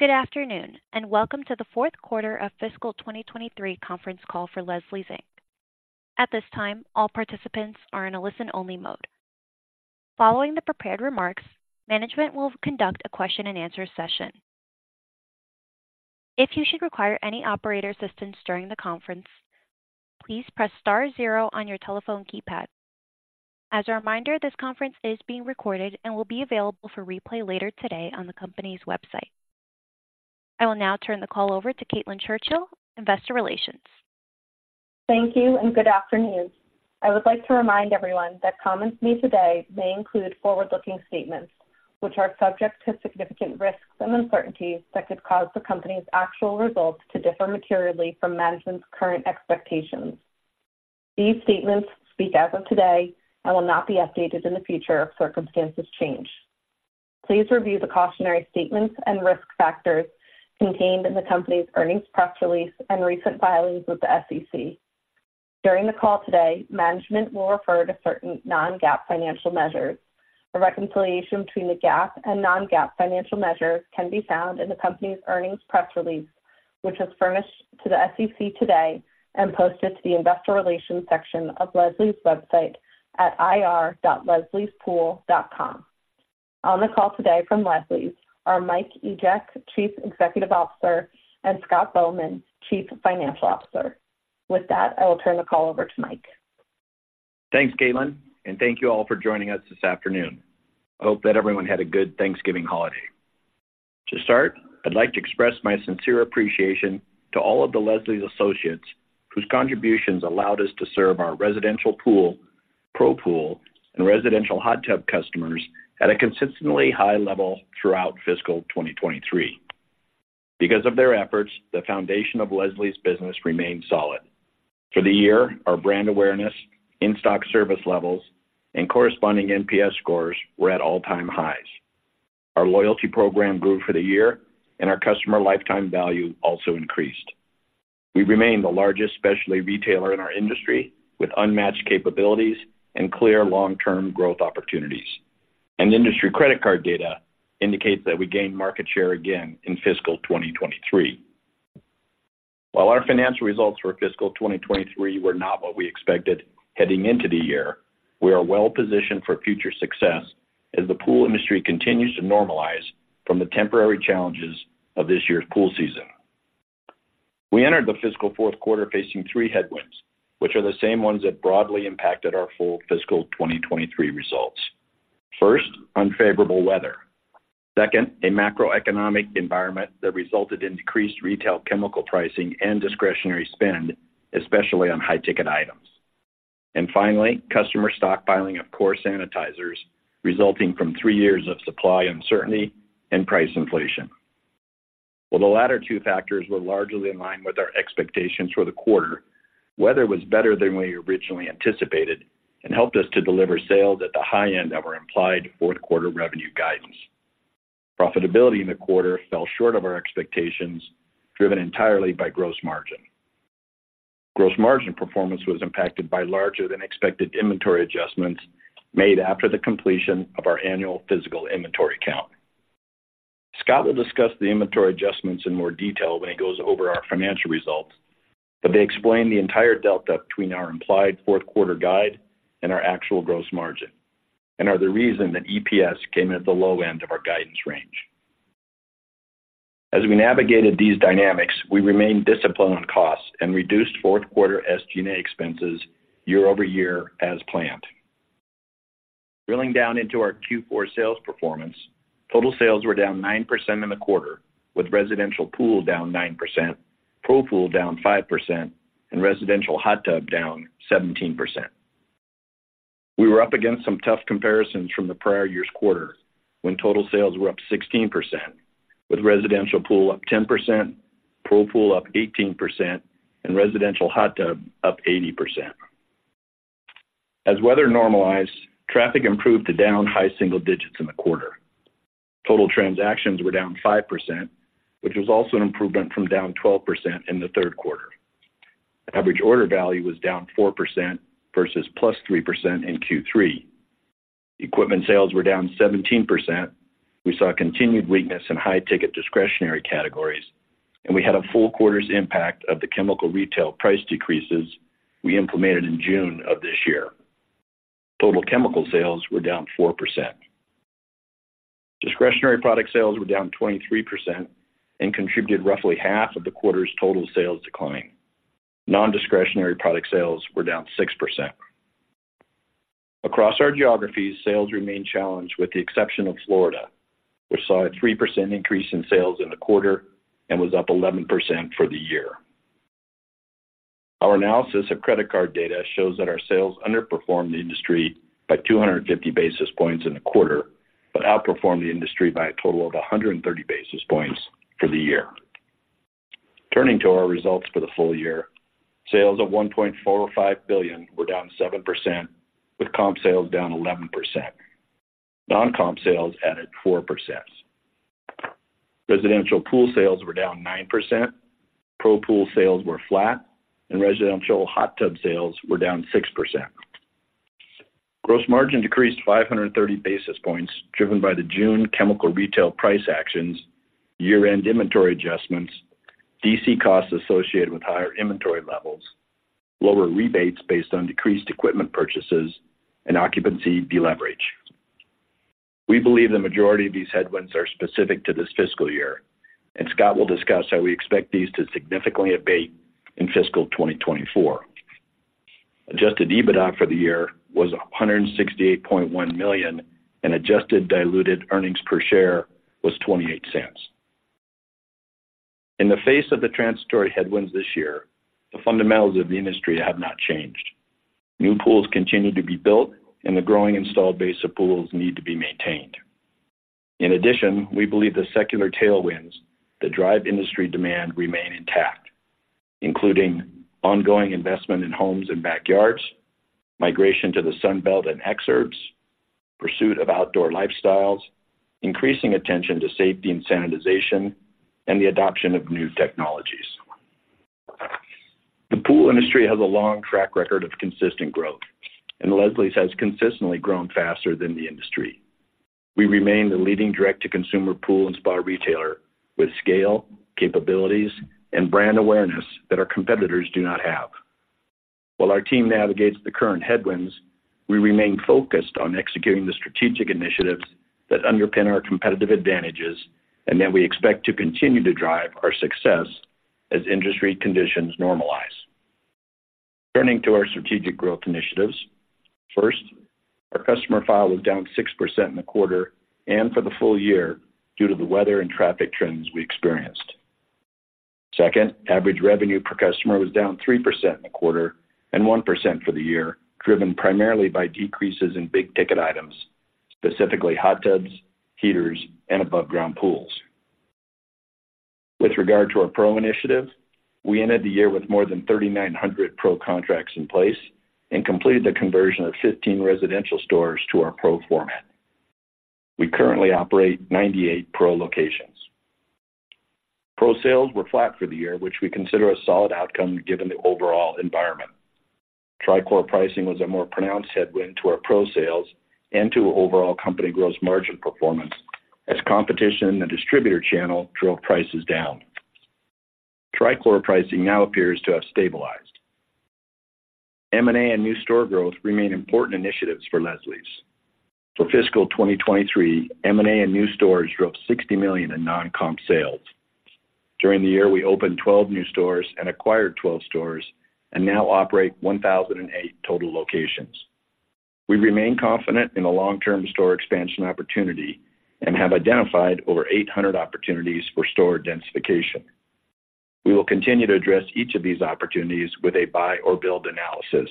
Good afternoon, and welcome to the Q4 of Fiscal 2023 Conference Call for Leslie's, Inc. At this time, all participants are in a listen-only mode. Following the prepared remarks, management will conduct a question-and-answer session. If you should require any operator assistance during the conference, please press star zero on your telephone keypad. As a reminder, this conference is being recorded and will be available for replay later today on the company's website. I will now turn the call over to Caitlin Churchill, Investor Relations. Thank you, and good afternoon. I would like to remind everyone that comments made today may include forward-looking statements, which are subject to significant risks and uncertainties that could cause the company's actual results to differ materially from management's current expectations. These statements speak as of today and will not be updated in the future if circumstances change. Please review the cautionary statements and risk factors contained in the company's earnings press release and recent filings with the SEC. During the call today, management will refer to certain non-GAAP financial measures. A reconciliation between the GAAP and non-GAAP financial measures can be found in the company's earnings press release, which was furnished to the SEC today and posted to the investor relations section of Leslie's website at ir.lesliespool.com. On the call today from Leslie's are Mike Egeck, Chief Executive Officer, and Scott Bowman, Chief Financial Officer. With that, I will turn the call over to Mike. Thanks, Caitlin, and thank you all for joining us this afternoon. I hope that everyone had a good Thanksgiving holiday. To start, I'd like to express my sincere appreciation to all of the Leslie's associates, whose contributions allowed us to serve our residential pool, pro pool, and residential hot tub customers at a consistently high level throughout fiscal 2023. Because of their efforts, the foundation of Leslie's business remains solid. For the year, our brand awareness, in-stock service levels, and corresponding NPS scores were at all-time highs. Our loyalty program grew for the year, and our customer lifetime value also increased. We remain the largest specialty retailer in our industry, with unmatched capabilities and clear long-term growth opportunities, and industry credit card data indicates that we gained market share again in fiscal 2023. While our financial results for fiscal 2023 were not what we expected heading into the year, we are well positioned for future success as the pool industry continues to normalize from the temporary challenges of this year's pool season. We entered the fiscal Q4 facing 3 headwinds, which are the same ones that broadly impacted our full fiscal 2023 results. First, unfavorable weather. Second, a macroeconomic environment that resulted in decreased retail chemical pricing and discretionary spend, especially on high-ticket items. And finally, customer stockpiling of core sanitizers, resulting from 3 years of supply uncertainty and price inflation. While the latter two factors were largely in line with our expectations for the quarter, weather was better than we originally anticipated and helped us to deliver sales at the high end of our implied Q4 revenue guidance. Profitability in the quarter fell short of our expectations, driven entirely by gross margin. Gross margin performance was impacted by larger-than-expected inventory adjustments made after the completion of our annual physical inventory count. Scott will discuss the inventory adjustments in more detail when he goes over our financial results, but they explain the entire delta between our implied Q4 guide and our actual gross margin and are the reason that EPS came at the low end of our guidance range. As we navigated these dynamics, we remained disciplined on costs and reduced Q4 SG&A expenses year-over-year as planned. Drilling down into our Q4 sales performance, total sales were down 9% in the quarter, with residential pool down 9%, pro pool down 5%, and residential hot tub down 17%. We were up against some tough comparisons from the prior year's quarter, when total sales were up 16%, with residential pool up 10%, pro pool up 18%, and residential hot tub up 80%. As weather normalized, traffic improved to down high single digits in the quarter. Total transactions were down 5%, which was also an improvement from down 12% in the Q3. Average order value was down 4% versus plus 3% in Q3. Equipment sales were down 17%. We saw continued weakness in high-ticket discretionary categories, and we had a full quarter's impact of the chemical retail price decreases we implemented in June of this year. Total chemical sales were down 4%. Discretionary product sales were down 23% and contributed roughly half of the quarter's total sales decline. Non-discretionary product sales were down 6%. Across our geographies, sales remained challenged, with the exception of Florida, which saw a 3% increase in sales in the quarter and was up 11% for the year. Our analysis of credit card data shows that our sales underperformed the industry by 250 basis points in the quarter, but outperformed the industry by a total of 130 basis points for the year. Turning to our results for the full year, sales of $1.45 billion were down 7%, with comp sales down 11%. Non-comp sales added 4%. Residential pool sales were down 9%, pro pool sales were flat, and residential hot tub sales were down 6%.... Gross margin decreased 530 basis points, driven by the June chemical retail price actions, year-end inventory adjustments, DC costs associated with higher inventory levels, lower rebates based on decreased equipment purchases, and occupancy deleverage. We believe the majority of these headwinds are specific to this fiscal year, and Scott will discuss how we expect these to significantly abate in fiscal 2024. Adjusted EBITDA for the year was $168.1 million, and adjusted diluted EPS was $0.28. In the face of the transitory headwinds this year, the fundamentals of the industry have not changed. New pools continue to be built, and the growing installed base of pools need to be maintained. In addition, we believe the secular tailwinds that drive industry demand remain intact, including ongoing investment in homes and backyards, migration to the Sun Belt and exurbs, pursuit of outdoor lifestyles, increasing attention to safety and sanitization, and the adoption of new technologies. The pool industry has a long track record of consistent growth, and Leslie's has consistently grown faster than the industry. We remain the leading direct-to-consumer pool and spa retailer, with scale, capabilities, and brand awareness that our competitors do not have. While our team navigates the current headwinds, we remain focused on executing the strategic initiatives that underpin our competitive advantages and that we expect to continue to drive our success as industry conditions normalize. Turning to our strategic growth initiatives. First, our customer file was down 6% in the quarter and for the full year due to the weather and traffic trends we experienced. Second, average revenue per customer was down 3% in the quarter and 1% for the year, driven primarily by decreases in big-ticket items, specifically hot tubs, heaters, and above ground pools. With regard to our Pro initiative, we ended the year with more than 3,900 Pro contracts in place and completed the conversion of 15 residential stores to our Pro format. We currently operate 98 Pro locations. Pro sales were flat for the year, which we consider a solid outcome given the overall environment. Trichlor pricing was a more pronounced headwind to our Pro sales and to overall company gross margin performance, as competition in the distributor channel drove prices down. Trichlor pricing now appears to have stabilized. M&A and new store growth remain important initiatives for Leslie's. For fiscal 2023, M&A and new stores drove $60 million in non-comp sales. During the year, we opened 12 new stores and acquired 12 stores and now operate 1,008 total locations. We remain confident in the long-term store expansion opportunity and have identified over 800 opportunities for store densification. We will continue to address each of these opportunities with a buy or build analysis,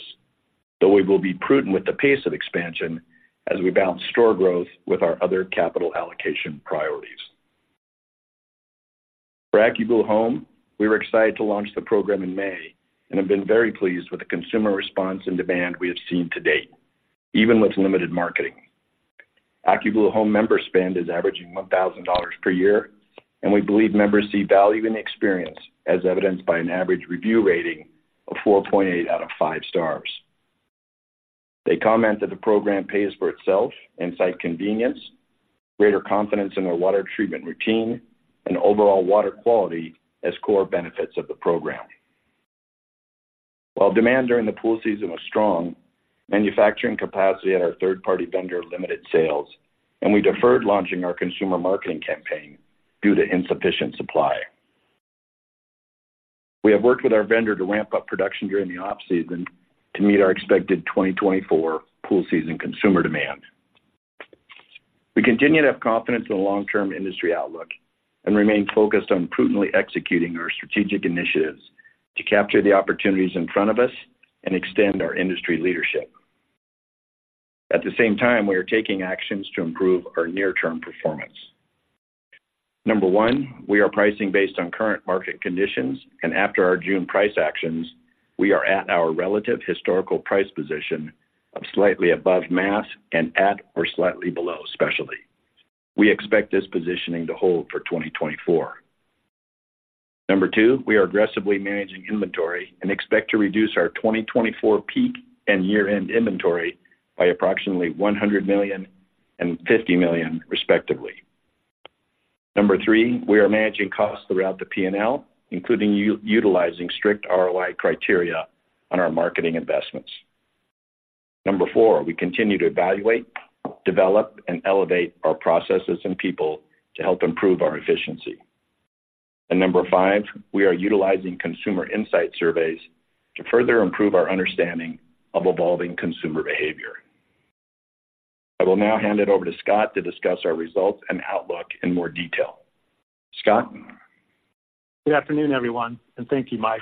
though we will be prudent with the pace of expansion as we balance store growth with our other capital allocation priorities. For AccuBlue Home, we were excited to launch the program in May and have been very pleased with the consumer response and demand we have seen to date, even with limited marketing. AccuBlue Home member spend is averaging $1,000 per year, and we believe members see value in the experience, as evidenced by an average review rating of 4.8 out of 5 stars. They comment that the program pays for itself and cite convenience, greater confidence in their water treatment routine, and overall water quality as core benefits of the program. While demand during the pool season was strong, manufacturing capacity at our third-party vendor limited sales, and we deferred launching our consumer marketing campaign due to insufficient supply. We have worked with our vendor to ramp up production during the off-season to meet our expected 2024 pool season consumer demand. We continue to have confidence in the long-term industry outlook and remain focused on prudently executing our strategic initiatives to capture the opportunities in front of us and extend our industry leadership. At the same time, we are taking actions to improve our near-term performance. Number one, we are pricing based on current market conditions, and after our June price actions, we are at our relative historical price position of slightly above mass and at or slightly below specialty. We expect this positioning to hold for 2024. Number two, we are aggressively managing inventory and expect to reduce our 2024 peak and year-end inventory by approximately $100 and $50 million, respectively. Number three, we are managing costs throughout the P&L, including utilizing strict ROI criteria on our marketing investments. Number four, we continue to evaluate, develop, and elevate our processes and people to help improve our efficiency. Number five, we are utilizing consumer insight surveys to further improve our understanding of evolving consumer behavior. I will now hand it over to Scott to discuss our results and outlook in more detail. Scott? Good afternoon, everyone, and thank you, Mike.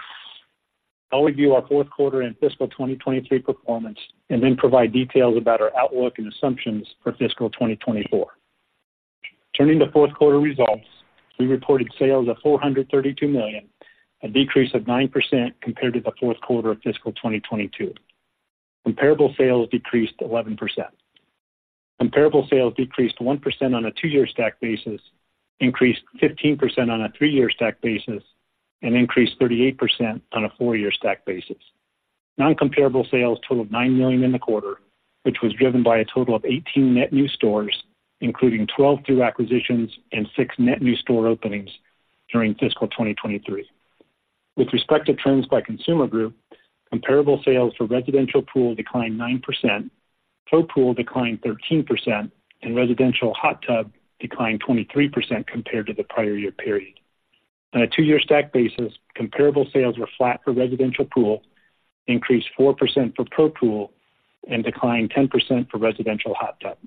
I'll review our Q4 and fiscal 2023 performance and then provide details about our outlook and assumptions for fiscal 2024. Turning to Q4 results, we reported sales of $432 million, a decrease of 9% compared to the Q4 of fiscal 2022. Comparable sales decreased 11%.... comparable sales decreased 1% on a 2-year stack basis, increased 15% on a 3-year stack basis, and increased 38% on a 4-year stack basis. Non-comparable sales totaled $9 million in the quarter, which was driven by a total of 18 net new stores, including 12 through acquisitions and 6 net new store openings during fiscal 2023. With respect to trends by consumer group, comparable sales for residential pool declined 9%, pro pool declined 13%, and residential hot tub declined 23% compared to the prior year period. On a two-year stack basis, comparable sales were flat for residential pool, increased 4% for pro pool, and declined 10% for residential hot tub.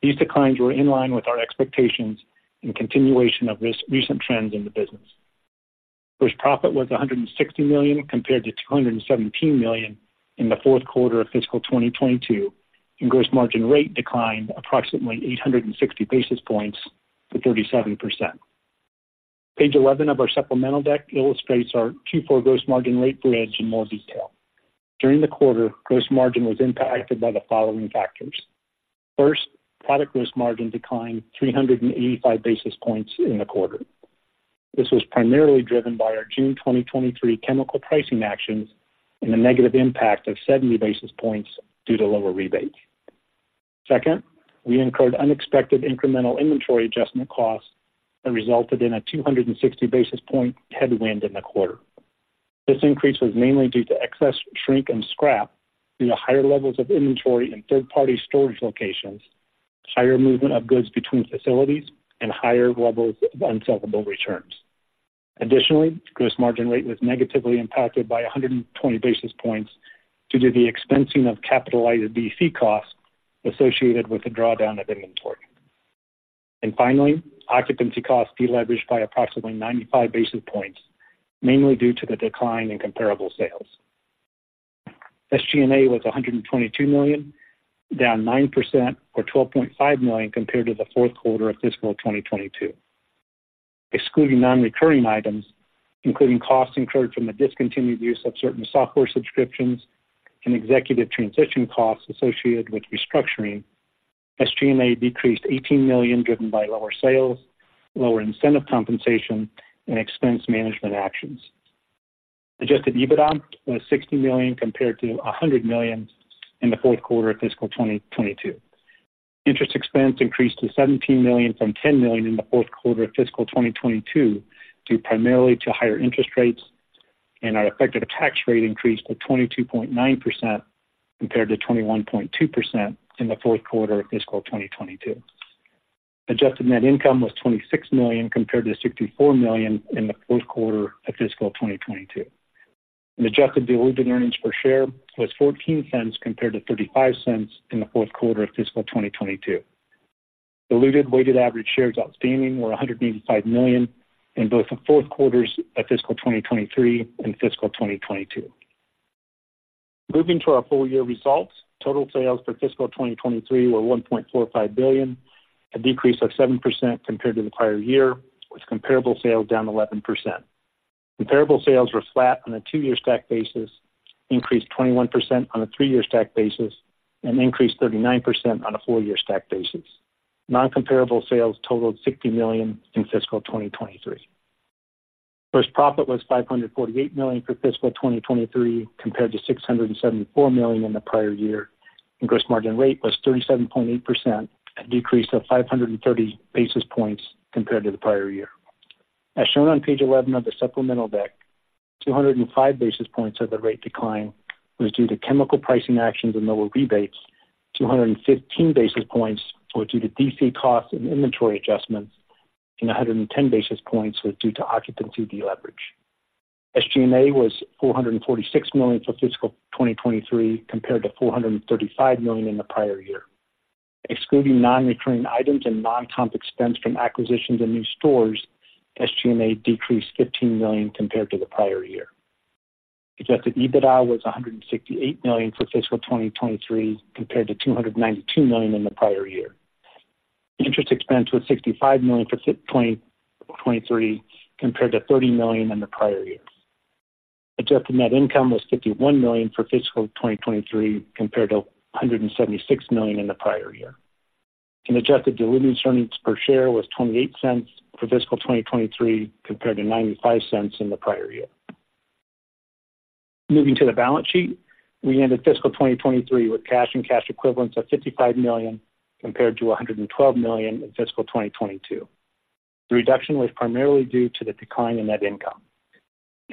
These declines were in line with our expectations and continuation of recent trends in the business. Gross profit was $160 million, compared to $217 million in the Q4 of fiscal 2022, and gross margin rate declined approximately 860 basis points to 37%. Page 11 of our supplemental deck illustrates our Q4 gross margin rate bridge in more detail. During the quarter, gross margin was impacted by the following factors: First, product gross margin declined 385 basis points in the quarter. This was primarily driven by our June 2023 chemical pricing actions, and the negative impact of 70 basis points due to lower rebates. Second, we incurred unexpected incremental inventory adjustment costs that resulted in a 260 basis point headwind in the quarter. This increase was mainly due to excess shrink and scrap due to higher levels of inventory in third-party storage locations, higher movement of goods between facilities, and higher levels of unsellable returns. Additionally, gross margin rate was negatively impacted by 120 basis points due to the expensing of capitalized DC costs associated with the drawdown of inventory. And finally, occupancy costs deleveraged by approximately 95 basis points, mainly due to the decline in comparable sales. SG&A was $122 million, down 9%, or $12.5 million, compared to the Q4 of fiscal 2022. Excluding non-recurring items, including costs incurred from the discontinued use of certain software subscriptions and executive transition costs associated with restructuring, SG&A decreased $18 million, driven by lower sales, lower incentive compensation, and expense management actions. Adjusted EBITDA was $60 million, compared to $100 million in the Q4 of fiscal 2022. Interest expense increased to $17 million from $10 million in the Q4 of fiscal 2022, due primarily to higher interest rates, and our effective tax rate increased to 22.9%, compared to 21.2% in the Q4 of fiscal 2022. Adjusted net income was $26 million, compared to $64 million in the Q4 of fiscal 2022. Adjusted diluted earnings per share was $0.14, compared to $0.35 in the Q4 of fiscal 2022. Diluted weighted average shares outstanding were 185 million in both the Q4 of fiscal 2023 and fiscal 2022. Moving to our full year results. Total sales for fiscal 2023 were $1.45 billion, a decrease of 7% compared to the prior year, with comparable sales down 11%. Comparable sales were flat on a two-year stack basis, increased 21% on a three-year stack basis, and increased 39% on a four-year stack basis. Non-comparable sales totaled $60 million in fiscal 2023. Gross profit was $548 million for fiscal 2023, compared to $674 million in the prior year, and gross margin rate was 37.8%, a decrease of 530 basis points compared to the prior year. As shown on page 11 of the supplemental deck, 205 basis points of the rate decline was due to chemical pricing actions and lower rebates, 215 basis points were due to DC costs and inventory adjustments, and 110 basis points were due to occupancy deleverage. SG&A was $446 million for fiscal 2023, compared to $435 million in the prior year. Excluding non-recurring items and non-comp expense from acquisitions and new stores, SG&A decreased $15 million compared to the prior year. Adjusted EBITDA was $168 million for fiscal 2023, compared to $292 million in the prior year. Interest expense was $65 million for 2023, compared to $30 million in the prior year. Adjusted net income was $51 million for fiscal 2023, compared to $176 million in the prior year. Adjusted diluted earnings per share was $0.28 for fiscal 2023, compared to $0.95 in the prior year. Moving to the balance sheet, we ended fiscal 2023 with cash and cash equivalents of $55 million, compared to $112 million in fiscal 2022. The reduction was primarily due to the decline in net income.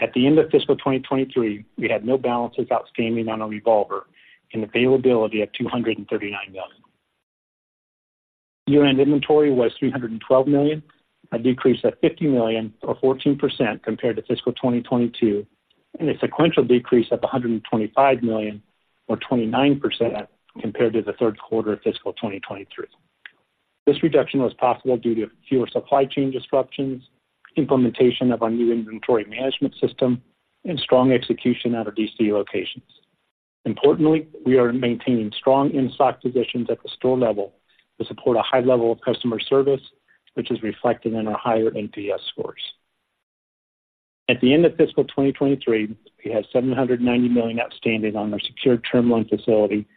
At the end of fiscal 2023, we had no balances outstanding on our revolver and availability of $239 million. Year-end inventory was $312 million, a decrease of $50 million, or 14%, compared to fiscal 2022, and a sequential decrease of $125 million, or 29%, compared to the Q3 of fiscal 2023. This reduction was possible due to fewer supply chain disruptions, implementation of our new inventory management system, and strong execution at our DC locations. Importantly, we are maintaining strong in-stock positions at the store level to support a high level of customer service, which is reflected in our higher NPS scores. At the end of fiscal 2023, we had $790 million outstanding on our secured term loan facility,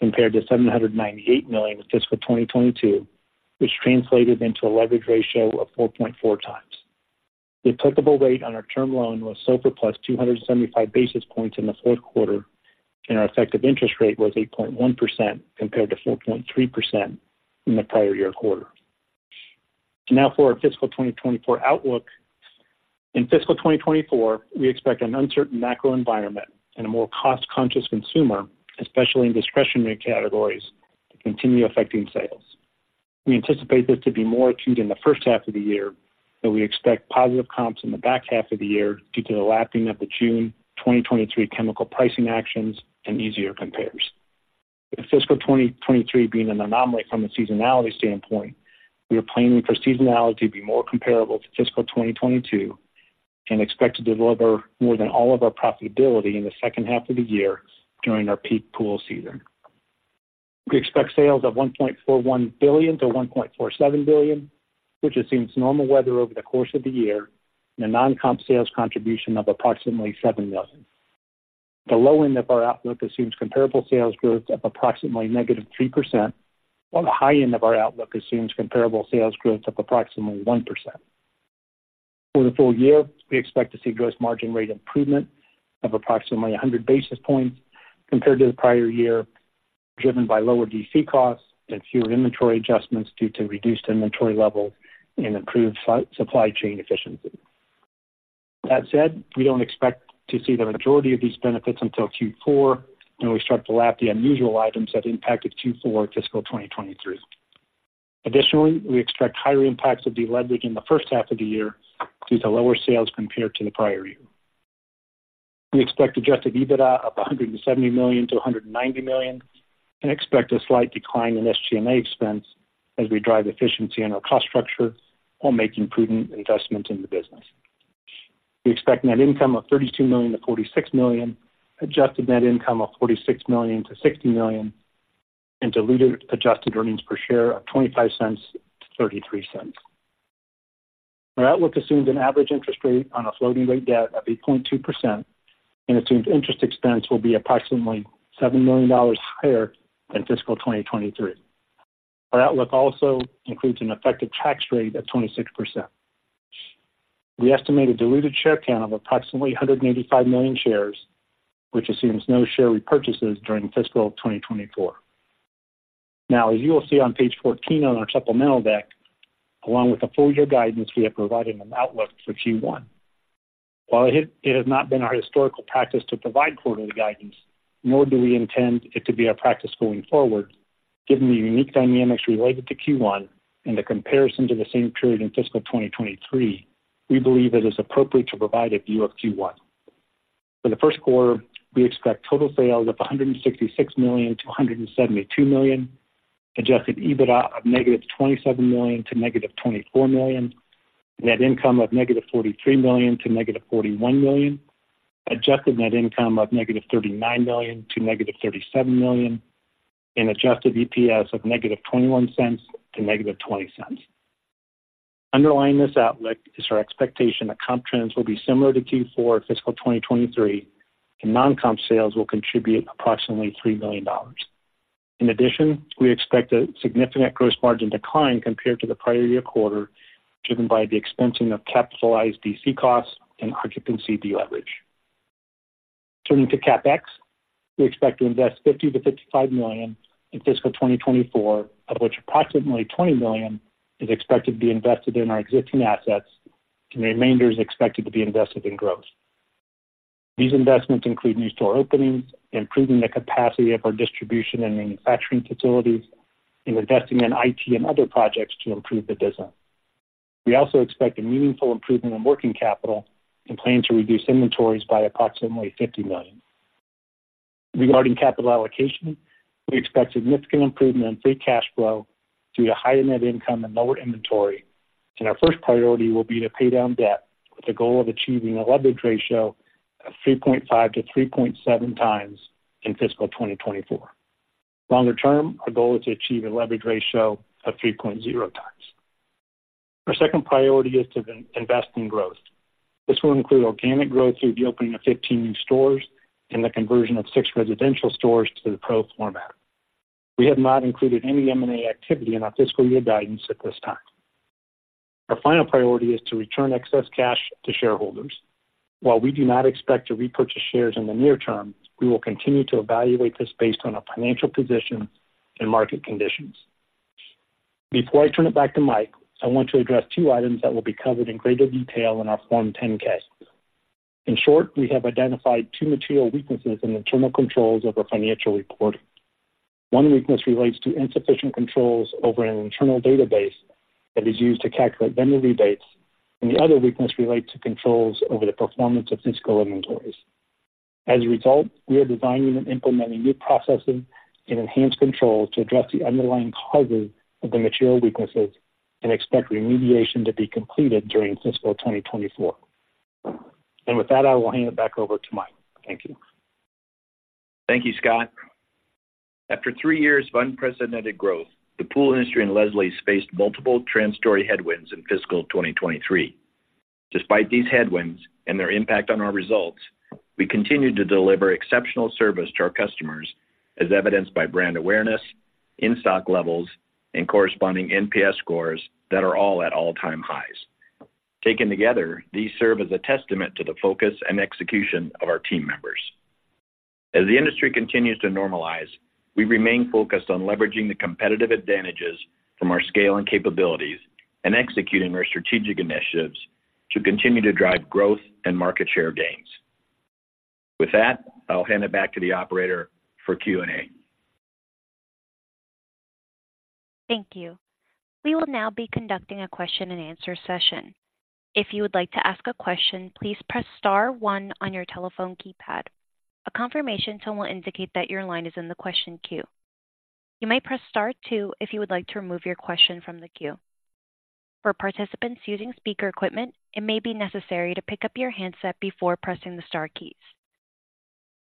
compared to $798 million in fiscal 2022, which translated into a leverage ratio of 4.4 times. The applicable rate on our term loan was SOFR plus 275 basis points in the Q4, and our effective interest rate was 8.1%, compared to 4.3% in the prior year quarter. Now for our fiscal 2024 outlook. In fiscal 2024, we expect an uncertain macro environment and a more cost-conscious consumer, especially in discretionary categories, to continue affecting sales. We anticipate this to be more acute in the first half of the year, though we expect positive comps in the back half of the year due to the lapping of the June 2023 chemical pricing actions and easier compares. With fiscal 2023 being an anomaly from a seasonality standpoint, we are planning for seasonality to be more comparable to fiscal 2022 and expect to deliver more than all of our profitability in the second half of the year during our peak pool season. We expect sales of $1.41 billion-$1.47 billion, which assumes normal weather over the course of the year, and a non-comp sales contribution of approximately $7 million. The low end of our outlook assumes comparable sales growth of approximately -3%, while the high end of our outlook assumes comparable sales growth of approximately 1%. For the full year, we expect to see gross margin rate improvement of approximately 100 basis points compared to the prior year, driven by lower DC costs and fewer inventory adjustments due to reduced inventory levels and improved supply chain efficiency. That said, we don't expect to see the majority of these benefits until Q4, when we start to lap the unusual items that impacted Q4 fiscal 2023. Additionally, we expect higher impacts of deleverage in the first half of the year due to lower sales compared to the prior year. We expect adjusted EBITDA of $170-$190 million and expect a slight decline in SG&A expense as we drive efficiency in our cost structure while making prudent investments in the business. We expect net income of $32-$46 million, adjusted net income of $46-$60 million, and diluted adjusted earnings per share of $0.25-$0.33. Our outlook assumes an average interest rate on a floating rate debt of 8.2% and assumes interest expense will be approximately $7 million higher than fiscal 2023. Our outlook also includes an effective tax rate of 26%. We estimate a diluted share count of approximately 185 million shares, which assumes no share repurchases during fiscal 2024. Now, as you will see on page 14 on our supplemental deck, along with the full year guidance, we have provided an outlook for Q1. While it has not been our historical practice to provide quarterly guidance, nor do we intend it to be our practice going forward, given the unique dynamics related to Q1 and the comparison to the same period in fiscal 2023, we believe it is appropriate to provide a view of Q1. For the Q1, we expect total sales of $166-$172 million, Adjusted EBITDA of -$27to -$24 million, net income of -$43to -$41 million, adjusted net income of -$39to -$37 million, and adjusted EPS of -$0.21 to -$0.20. Underlying this outlook is our expectation that comp trends will be similar to Q4 fiscal 2023, and non-comp sales will contribute approximately $3 million. In addition, we expect a significant gross margin decline compared to the prior year quarter, driven by the expensing of capitalized DC costs and occupancy deleverage. Turning to CapEx, we expect to invest $50-$55 million in fiscal 2024, of which approximately $20 million is expected to be invested in our existing assets, and the remainder is expected to be invested in growth. These investments include new store openings, improving the capacity of our distribution and manufacturing facilities, and investing in IT and other projects to improve the business. We also expect a meaningful improvement in working capital and plan to reduce inventories by approximately $50 million. Regarding capital allocation, we expect significant improvement in free cash flow due to higher net income and lower inventory, and our first priority will be to pay down debt with the goal of achieving a leverage ratio of 3.5-3.7 times in fiscal 2024. Longer term, our goal is to achieve a leverage ratio of 3.0 times. Our second priority is to invest in growth. This will include organic growth through the opening of 15 new stores and the conversion of 6 residential stores to the Pro format. We have not included any M&A activity in our fiscal year guidance at this time. Our final priority is to return excess cash to shareholders. While we do not expect to repurchase shares in the near term, we will continue to evaluate this based on our financial position and market conditions. Before I turn it back to Mike, I want to address two items that will be covered in greater detail in our Form 10-K. In short, we have identified two material weaknesses in internal controls over financial reporting. One weakness relates to insufficient controls over an internal database that is used to calculate vendor rebates, and the other weakness relates to controls over the performance of physical inventories. As a result, we are designing and implementing new processes and enhanced controls to address the underlying causes of the material weaknesses and expect remediation to be completed during fiscal 2024. With that, I will hand it back over to Mike. Thank you. Thank you, Scott. After three years of unprecedented growth, the pool industry and Leslie's faced multiple transitory headwinds in fiscal 2023. Despite these headwinds and their impact on our results, we continued to deliver exceptional service to our customers, as evidenced by brand awareness, in-stock levels, and corresponding NPS scores that are all at all-time highs. Taken together, these serve as a testament to the focus and execution of our team members. As the industry continues to normalize, we remain focused on leveraging the competitive advantages from our scale and capabilities and executing our strategic initiatives to continue to drive growth and market share gains. With that, I'll hand it back to the operator for Q&A. Thank you. We will now be conducting a question-and-answer session. If you would like to ask a question, please press star one on your telephone keypad. A confirmation tone will indicate that your line is in the question queue. You may press star two if you would like to remove your question from the queue. For participants using speaker equipment, it may be necessary to pick up your handset before pressing the star keys.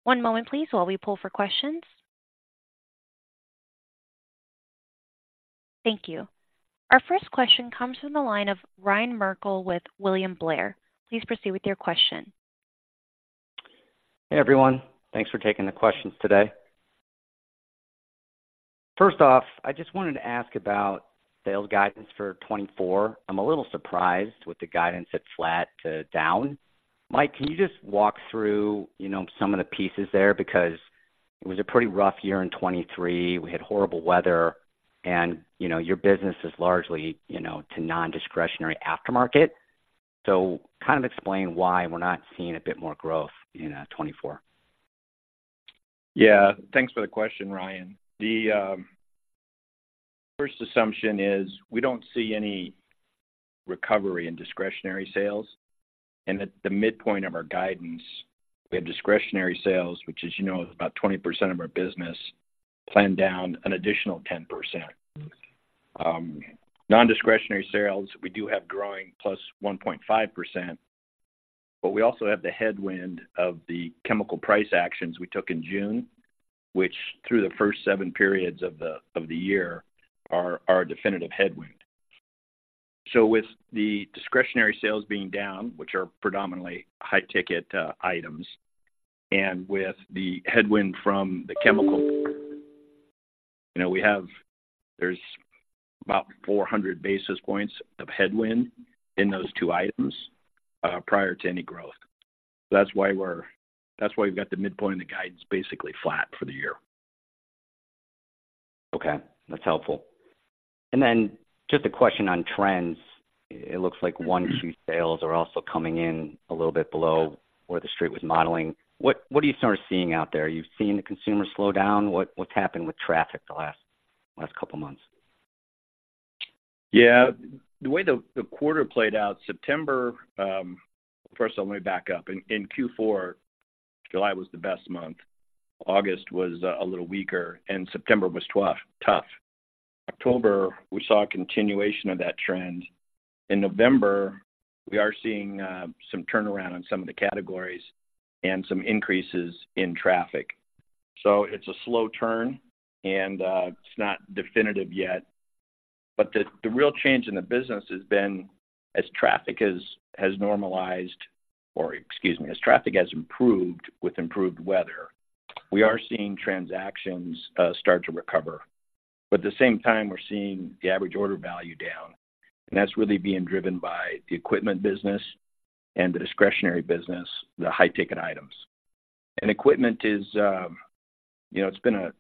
One moment please, while we pull for questions. Thank you. Our first question comes from the line of Ryan Merkel with William Blair. Please proceed with your question. Hey, everyone. Thanks for taking the questions today. First off, I just wanted to ask about sales guidance for 2024. I'm a little surprised with the guidance at flat to down. Mike, can you just walk through, you know, some of the pieces there? Because it was a pretty rough year in 2023. We had horrible weather, and, you know, your business is largely, you know, to nondiscretionary aftermarket. So kind of explain why we're not seeing a bit more growth in 2024. Yeah, thanks for the question, Ryan. The first assumption is we don't see any recovery in discretionary sales, and at the midpoint of our guidance, we have discretionary sales, which, as you know, is about 20% of our business, planned down an additional 10%. Nondiscretionary sales, we do have growing plus 1.5%, but we also have the headwind of the chemical price actions we took in June, which, through the first seven periods of the year, are our definitive headwind. So with the discretionary sales being down, which are predominantly high-ticket items, and with the headwind from the chemical, you know, there's about 400 basis points of headwind in those two items prior to any growth. That's why we're, that's why we've got the midpoint of the guidance basically flat for the year. Okay, that's helpful. Just a question on trends. It looks like Q1 sales are also coming in a little bit below where The Street was modeling. What, what are you sort of seeing out there? You've seen the consumer slow down. What, what's happened with traffic the last, last couple of months? Yeah, the way the, the quarter played out, September... First, let me back up. In, in Q4, July was the best month, August was a little weaker, and September was tough, tough. October, we saw a continuation of that trend. In November, we are seeing some turnaround on some of the categories and some increases in traffic. So it's a slow turn, and it's not definitive yet, but the, the real change in the business has been as traffic has, has normalized, or excuse me, as traffic has improved with improved weather, we are seeing transactions start to recover. But at the same time, we're seeing the average order value down, and that's really being driven by the equipment business and the discretionary business, the high-ticket items. And equipment is, you know, it's been a,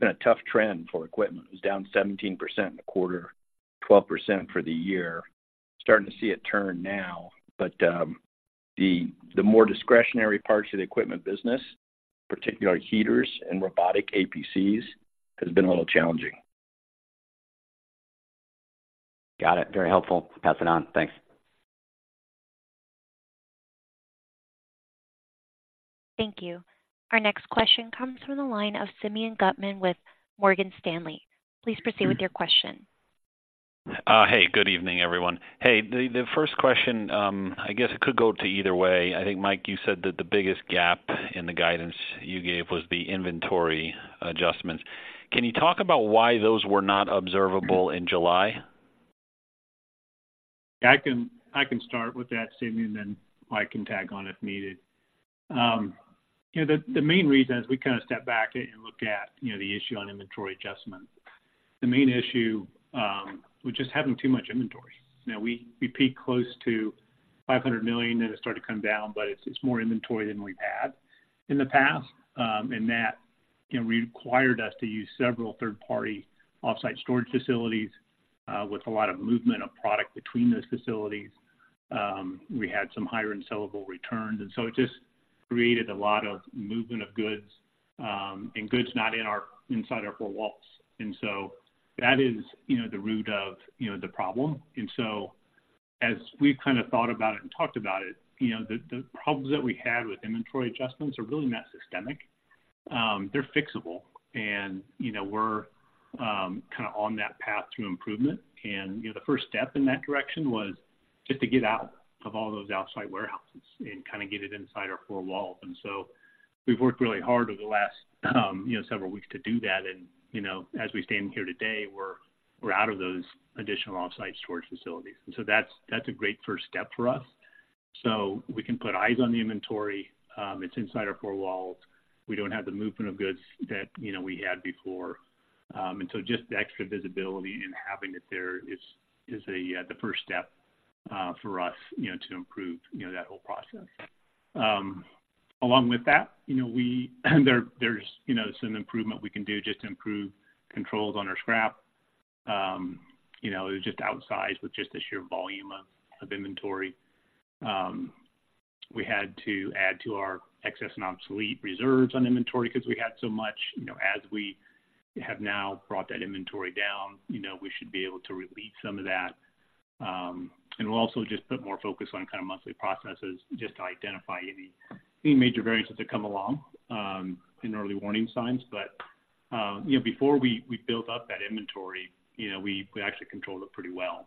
been a tough trend for equipment. It was down 17% in the quarter, 12% for the year. Starting to see it turn now, but, the more discretionary parts of the equipment business, particularly heaters and robotic APCs, has been a little challenging. Got it. Very helpful. Pass it on. Thanks. Thank you. Our next question comes from the line of Simeon Gutman with Morgan Stanley. Please proceed with your question. Hey, good evening, everyone. Hey, the first question, I guess it could go to either way. I think, Mike, you said that the biggest gap in the guidance you gave was the inventory adjustments. Can you talk about why those were not observable in July? I can, I can start with that, Simeon, and Mike can tag on if needed. You know, the main reason is we kind of stepped back and looked at, you know, the issue on inventory adjustment. The main issue was just having too much inventory. You know, we, we peaked close to $500 million, and it started to come down, but it's, it's more inventory than we've had in the past, and that, you know, required us to use several third-party off-site storage facilities, with a lot of movement of product between those facilities. We had some higher unsellable returns, and so it just created a lot of movement of goods, and goods not inside our four walls. So that is, you know, the root of, you know, the problem. As we've kind of thought about it and talked about it, you know, the problems that we had with inventory adjustments are really not systemic. They're fixable, and, you know, we're kind of on that path to improvement. You know, the first step in that direction was just to get out of all those outside warehouses and kind of get it inside our four walls. So we've worked really hard over the last several weeks to do that, and, you know, as we stand here today, we're out of those additional off-site storage facilities. So that's a great first step for us. We can put eyes on the inventory; it's inside our four walls. We don't have the movement of goods that, you know, we had before. And so just the extra visibility and having it there is the first step for us, you know, to improve, you know, that whole process. Along with that, you know, there's some improvement we can do just to improve controls on our scrap. You know, it was just outsized with just the sheer volume of inventory. We had to add to our excess and obsolete reserves on inventory because we had so much. You know, as we have now brought that inventory down, you know, we should be able to release some of that. And we'll also just put more focus on kind of monthly processes just to identify any major variances that come along in early warning signs. But, you know, before we, we built up that inventory, you know, we, we actually controlled it pretty well.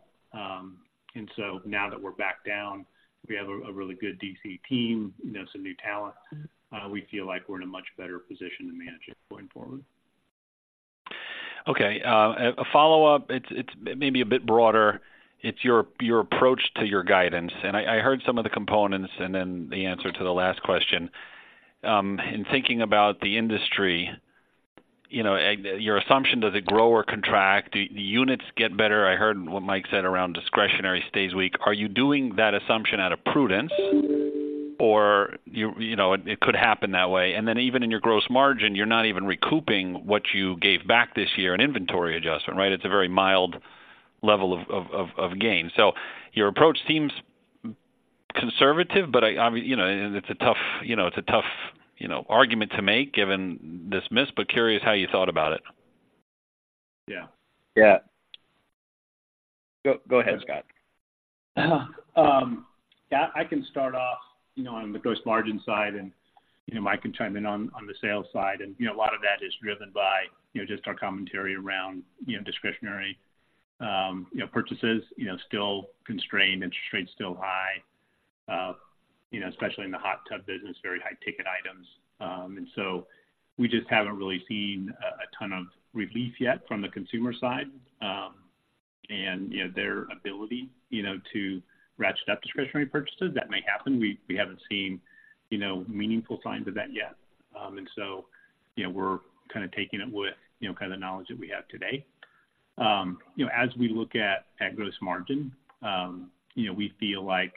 And so now that we're back down, we have a really good DC team, you know, some new talent. We feel like we're in a much better position to manage it going forward. Okay, a follow-up. It's maybe a bit broader. It's your approach to your guidance, and I heard some of the components and then the answer to the last question. In thinking about the industry, you know, e.g., your assumption, does it grow or contract? Do units get better? I heard what Mike said around discretionary stays weak. Are you doing that assumption out of prudence, or you know, it could happen that way? And then even in your gross margin, you're not even recouping what you gave back this year in inventory adjustment, right? It's a very mild level of gain. So your approach seems conservative, but I, you know, it's a tough, you know, argument to make given this miss, but curious how you thought about it. Yeah. Yeah. Go, go ahead, Scott. Yeah, I can start off, you know, on the gross margin side, and, you know, Mike can chime in on, on the sales side. You know, a lot of that is driven by, you know, just our commentary around, you know, discretionary, you know, purchases, you know, still constrained, interest rates still high, you know, especially in the hot tub business, very high-ticket items. And so we just haven't really seen a, a ton of relief yet from the consumer side, and, you know, their ability, you know, to ratchet up discretionary purchases. That may happen. We, we haven't seen, you know, meaningful signs of that yet. And so, you know, we're kind of taking it with, you know, kind of the knowledge that we have today. You know, as we look at gross margin, you know, we feel like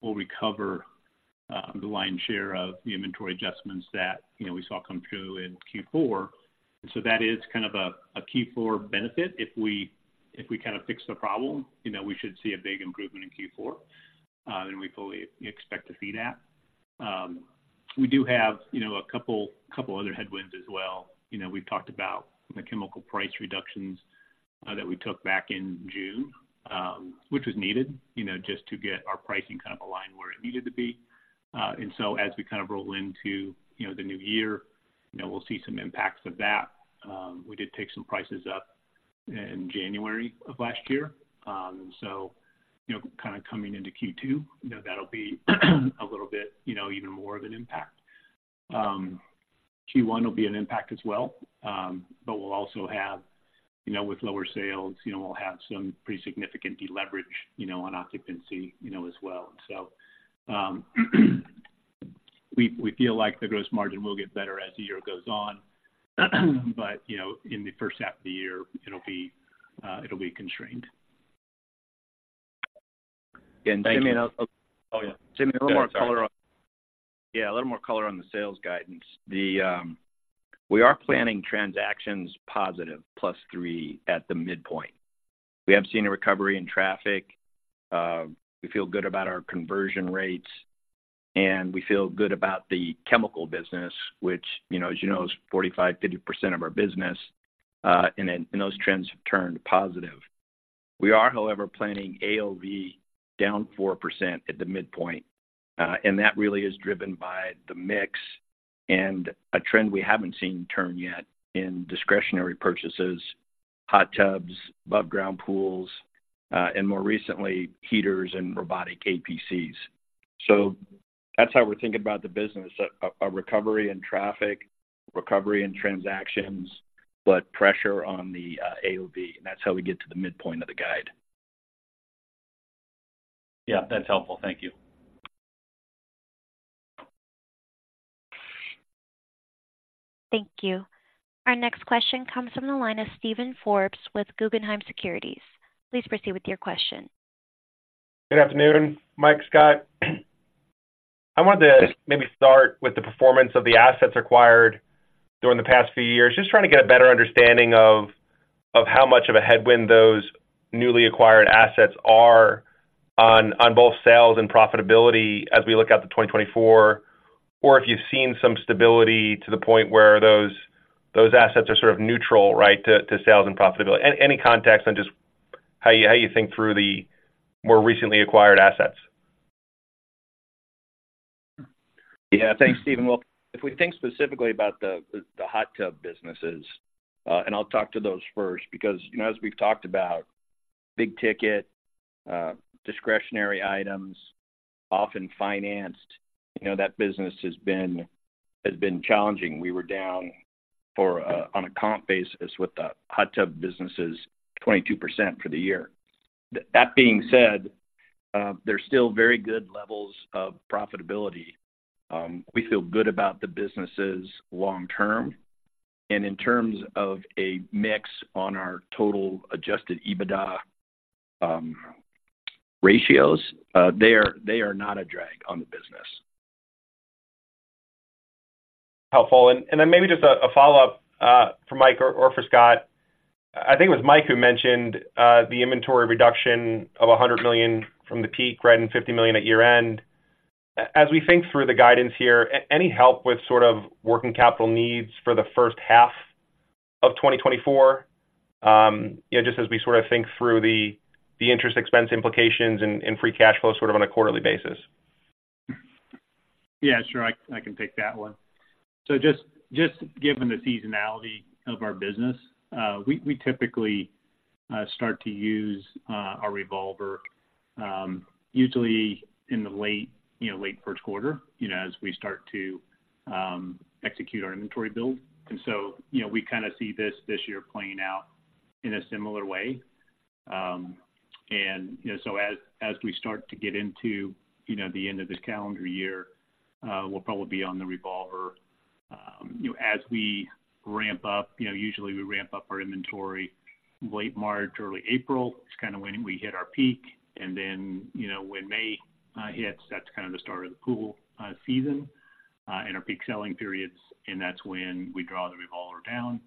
we'll recover the lion's share of the inventory adjustments that, you know, we saw come through in Q4. And so that is kind of a Q4 benefit. If we kind of fix the problem, you know, we should see a big improvement in Q4, and we fully expect to see that. We do have, you know, a couple other headwinds as well. You know, we've talked about the chemical price reductions that we took back in June, which was needed, you know, just to get our pricing kind of aligned where it needed to be. And so as we kind of roll into, you know, the new year, you know, we'll see some impacts of that. We did take some prices up in January of last year, and so, you know, kind of coming into Q2, you know, that'll be a little bit, you know, even more of an impact. Q1 will be an impact as well, but we'll also have, you know, with lower sales, you know, we'll have some pretty significant deleverage, you know, on occupancy, you know, as well. So, we, we feel like the gross margin will get better as the year goes on, but, you know, in the first half of the year, it'll be, it'll be constrained. Thank you. Simeon, oh, yeah, Simeon, a little more color on. Yeah, a little more color on the sales guidance. The, we are planning transactions positive, +3 at the midpoint. We have seen a recovery in traffic, we feel good about our conversion rates, and we feel good about the chemical business, which, you know, as you know, is 45%-50% of our business, and those trends have turned positive. We are, however, planning AOV down 4% at the midpoint, and that really is driven by the mix and a trend we haven't seen turn yet in discretionary purchases, hot tubs, above-ground pools, and more recently, heaters and robotic APCs. So that's how we're thinking about the business, a recovery in traffic, recovery in transactions, but pressure on the AOV, and that's how we get to the midpoint of the guide. Yeah, that's helpful. Thank you. Thank you. Our next question comes from the line of Steven Forbes with Guggenheim Securities. Please proceed with your question. Good afternoon, Mike, Scott. I wanted to maybe start with the performance of the assets acquired during the past few years. Just trying to get a better understanding of how much of a headwind those newly acquired assets are on both sales and profitability as we look out to 2024, or if you've seen some stability to the point where those assets are sort of neutral, right, to sales and profitability. Any context on just how you think through the more recently acquired assets?... Yeah, thanks, Steven. Well, if we think specifically about the hot tub businesses, and I'll talk to those first, because, you know, as we've talked about, big ticket, discretionary items, often financed, you know, that business has been challenging. We were down on a comp basis with the hot tub businesses, 22% for the year. That being said, there's still very good levels of profitability. We feel good about the businesses long term, and in terms of a mix on our total Adjusted EBITDA, ratios, they are not a drag on the business. Helpful. And then maybe just a follow-up for Mike or for Scott. I think it was Mike who mentioned the inventory reduction of $100 million from the peak, right, and $50 million at year-end. As we think through the guidance here, any help with sort of working capital needs for the first half of 2024? You know, just as we sort of think through the interest expense implications and free cash flow, sort of on a quarterly basis. Yeah, sure. I can take that one. So just given the seasonality of our business, we typically start to use our revolver usually in the late, you know, late Q1, you know, as we start to execute our inventory build. And so, you know, we kind of see this year playing out in a similar way. And, you know, so as we start to get into, you know, the end of this calendar year, we'll probably be on the revolver. You know, as we ramp up, you know, usually we ramp up our inventory late March, early April, is kind of when we hit our peak. Then, you know, when May hits, that's kind of the start of the pool season, and our peak selling periods, and that's when we draw the revolver down.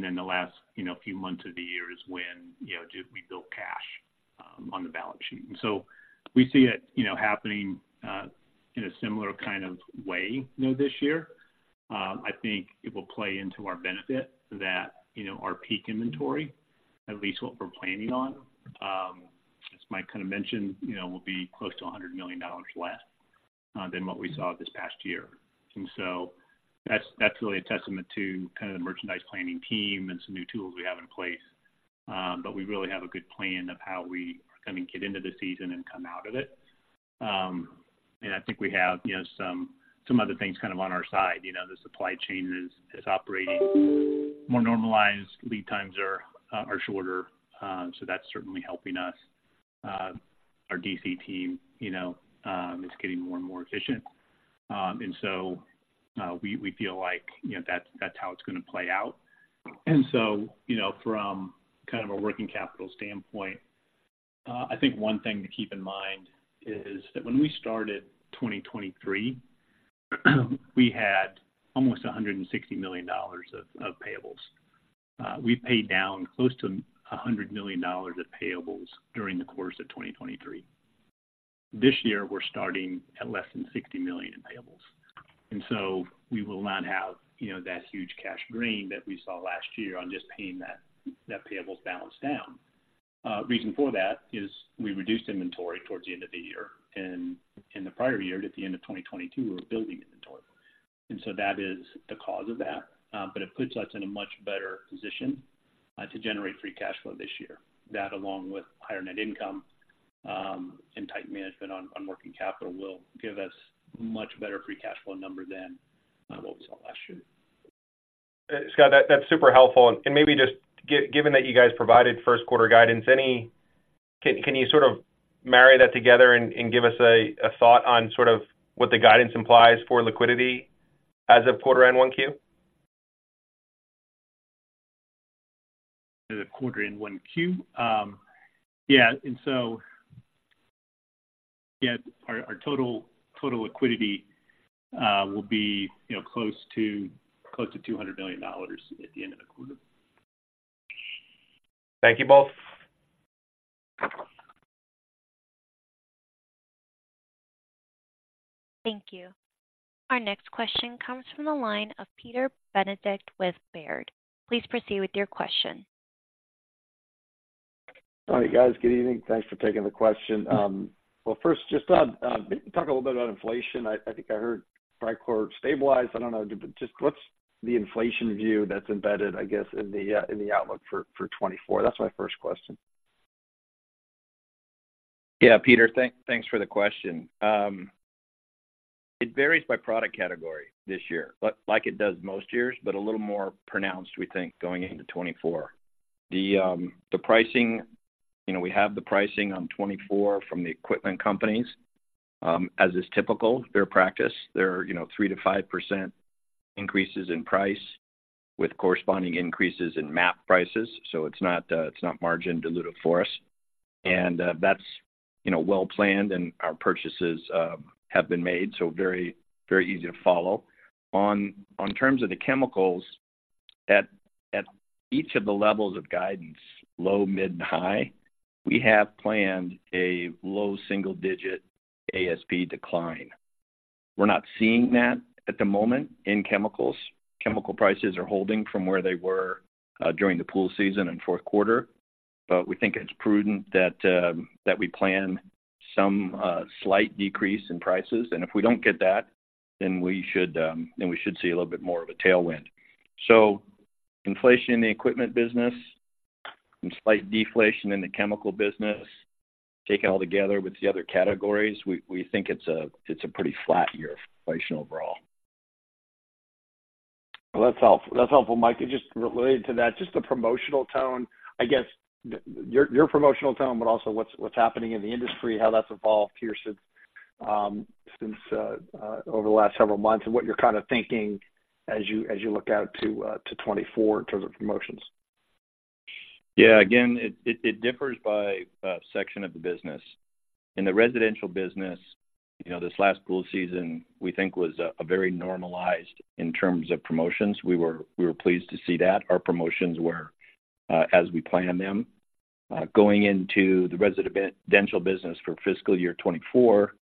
Then the last, you know, few months of the year is when, you know, do we build cash, on the balance sheet. So we see it, you know, happening, in a similar kind of way, you know, this year. I think it will play into our benefit that, you know, our peak inventory, at least what we're planning on, as Mike kind of mentioned, you know, will be close to $100 million less, than what we saw this past year. So that's, that's really a testament to kind of the merchandise planning team and some new tools we have in place. But we really have a good plan of how we are going to get into the season and come out of it. And I think we have, you know, some other things kind of on our side. You know, the supply chain is operating more normalized. Lead times are shorter, so that's certainly helping us. Our DC team, you know, is getting more and more efficient. And so, we feel like, you know, that's how it's going to play out. And so, you know, from kind of a working capital standpoint, I think one thing to keep in mind is that when we started 2023, we had almost $160 million of payables. We paid down close to $100 million of payables during the course of 2023. This year, we're starting at less than $60 million in payables, and so we will not have, you know, that huge cash drain that we saw last year on just paying that, that payables balance down. Reason for that is we reduced inventory towards the end of the year, and in the prior year, at the end of 2022, we were building inventory. And so that is the cause of that, but it puts us in a much better position to generate free cash flow this year. That, along with higher net income, and tight management on, on working capital, will give us much better free cash flow number than what we saw last year. Scott, that, that's super helpful. And maybe just given that you guys provided Q1 guidance, can you sort of marry that together and give us a thought on sort of what the guidance implies for liquidity as of quarter end 1Q? The quarter-end 1Q. Yeah, and so, yeah, our total liquidity will be, you know, close to $200 million at the end of the quarter. Thank you both. Thank you. Our next question comes from the line of Peter Benedict with Baird. Please proceed with your question. All right, guys. Good evening. Thanks for taking the question. Well, first, just talk a little bit about inflation. I think I heard Trichlor stabilize. I don't know, but just what's the inflation view that's embedded, I guess, in the outlook for 2024? That's my first question. Yeah, Peter, thanks for the question. It varies by product category this year, but like it does most years, but a little more pronounced, we think, going into 2024. The pricing, you know, we have the pricing on 2024 from the equipment companies. As is typical, their practice, there are, you know, 3%-5% increases in price with corresponding increases in MAP prices. So it's not, it's not margin dilutive for us. And, that's, you know, well planned, and our purchases have been made, so very, very easy to follow. On terms of the chemicals, at each of the levels of guidance, low, mid, and high, we have planned a low single-digit ASP decline. We're not seeing that at the moment in chemicals. Chemical prices are holding from where they were during the pool season in Q4, but we think it's prudent that we plan some slight decrease in prices. And if we don't get that, then we should see a little bit more of a tailwind. So inflation in the equipment business and slight deflation in the chemical business, take it all together with the other categories, we think it's a pretty flat year inflation overall. Well, that's helpful. That's helpful, Mike. And just related to that, just the promotional tone, I guess, your promotional tone, but also what's happening in the industry, how that's evolved here since over the last several months, and what you're kind of thinking as you look out to 2024 in terms of promotions? Yeah, again, it differs by section of the business. In the residential business, you know, this last pool season, we think was very normalized in terms of promotions. We were pleased to see that. Our promotions were as we planned them. Going into the residential business for fiscal year 2024,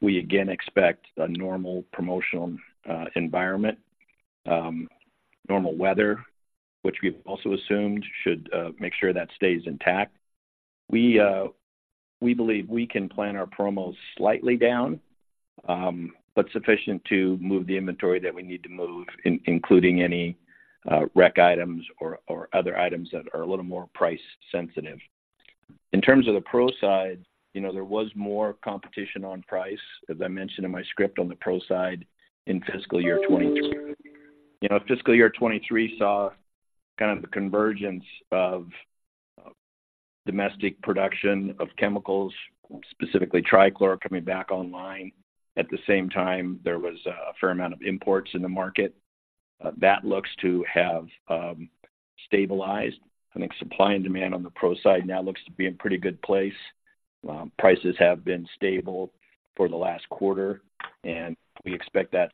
we again expect a normal promotional environment. Normal weather, which we've also assumed should make sure that stays intact. We believe we can plan our promos slightly down, but sufficient to move the inventory that we need to move, including any rec items or other items that are a little more price sensitive. In terms of the pro side, you know, there was more competition on price, as I mentioned in my script, on the pro side in fiscal year 2023. You know, fiscal year 2023 saw kind of the convergence of domestic production of chemicals, specifically Trichlor, coming back online. At the same time, there was a fair amount of imports in the market. That looks to have stabilized. I think supply and demand on the pro side now looks to be in pretty good place. Prices have been stable for the last quarter, and we expect that,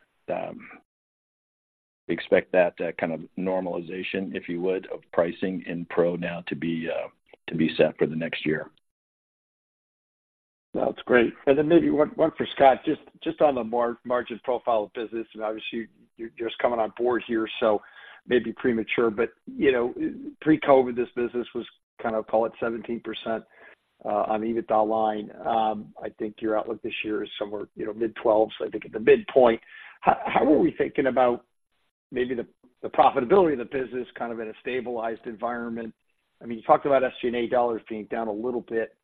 we expect that, kind of normalization, if you would, of pricing in pro now to be set for the next year. That's great. And then maybe one for Scott, just on the margin profile of business, and obviously, you're just coming on board here, so maybe premature. But, you know, pre-COVID, this business was kind of, call it 17% on EBITDA line. I think your outlook this year is somewhere, you know, mid-12%. So I think at the midpoint, how are we thinking about maybe the profitability of the business, kind of in a stabilized environment? I mean, you talked about SG&A dollars being down a little bit,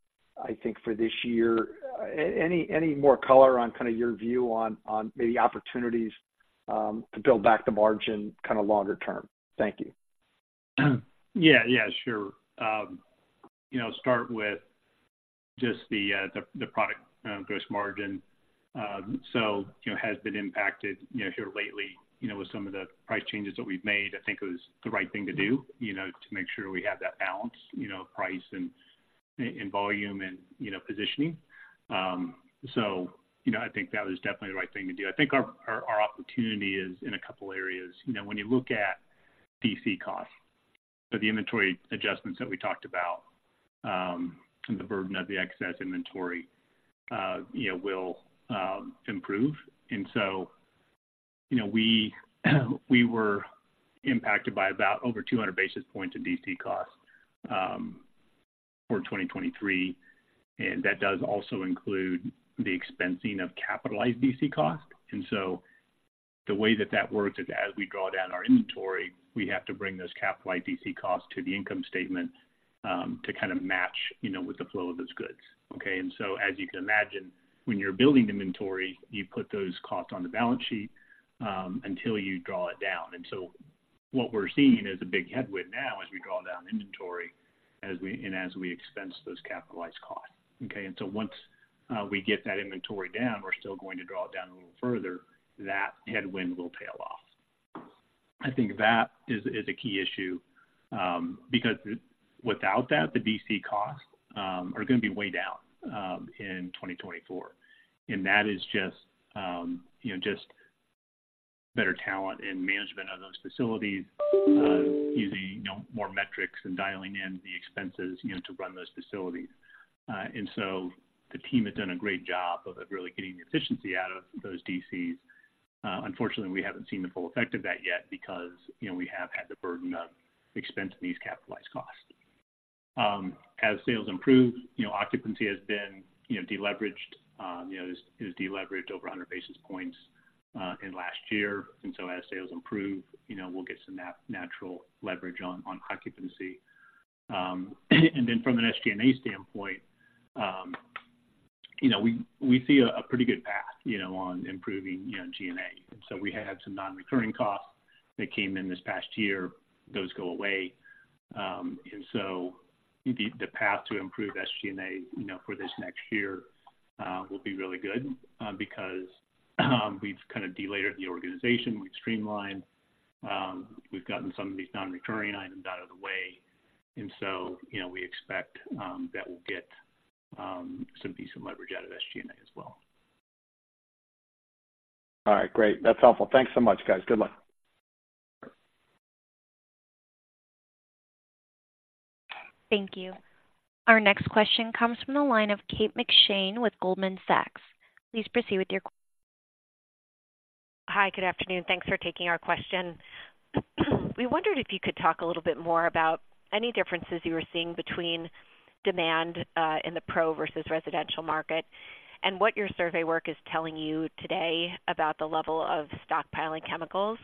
I think, for this year. Any more color on kind of your view on maybe opportunities to build back the margin kind of longer term? Thank you. Yeah, yeah, sure. You know, start with just the product gross margin. So, you know, has been impacted, you know, here lately, you know, with some of the price changes that we've made. I think it was the right thing to do, you know, to make sure we have that balance, you know, price and volume and, you know, positioning. So, you know, I think that was definitely the right thing to do. I think our opportunity is in a couple areas. You know, when you look at DC costs, so the inventory adjustments that we talked about, and the burden of the excess inventory, you know, will improve. And so, you know, we were impacted by about over 200 basis points of DC costs for 2023, and that does also include the expensing of capitalized DC costs. And so the way that that works is as we draw down our inventory, we have to bring those capitalized DC costs to the income statement, to kind of match, you know, with the flow of those goods, okay? And so, as you can imagine, when you're building inventory, you put those costs on the balance sheet, until you draw it down. And so what we're seeing is a big headwind now as we draw down inventory, and as we expense those capitalized costs, okay? And so once we get that inventory down, we're still going to draw it down a little further, that headwind will tail off. I think that is a key issue, because without that, the DC costs are going to be way down in 2024. And that is just, you know, just better talent and management of those facilities, using, you know, more metrics and dialing in the expenses, you know, to run those facilities. And so the team has done a great job of really getting the efficiency out of those DCs. Unfortunately, we haven't seen the full effect of that yet because, you know, we have had the burden of expensing these capitalized costs. As sales improve, you know, occupancy has been, you know, deleveraged. You know, it was deleveraged over 100 basis points in last year. And so as sales improve, you know, we'll get some natural leverage on occupancy. And then from an SG&A standpoint, you know, we see a pretty good path, you know, on improving, you know, G&A. So we had some non-recurring costs that came in this past year. Those go away. And so the path to improve SG&A, you know, for this next year, will be really good, because we've kind of delayered the organization, we've streamlined, we've gotten some of these non-recurring items out of the way, and so, you know, we expect that we'll get some decent leverage out of SG&A as well. All right, great. That's helpful. Thanks so much, guys. Good luck. Thank you. Our next question comes from the line of Kate McShane with Goldman Sachs. Please proceed with your question. Hi, good afternoon. Thanks for taking our question. We wondered if you could talk a little bit more about any differences you were seeing between demand in the pro versus residential market, and what your survey work is telling you today about the level of stockpiling chemicals?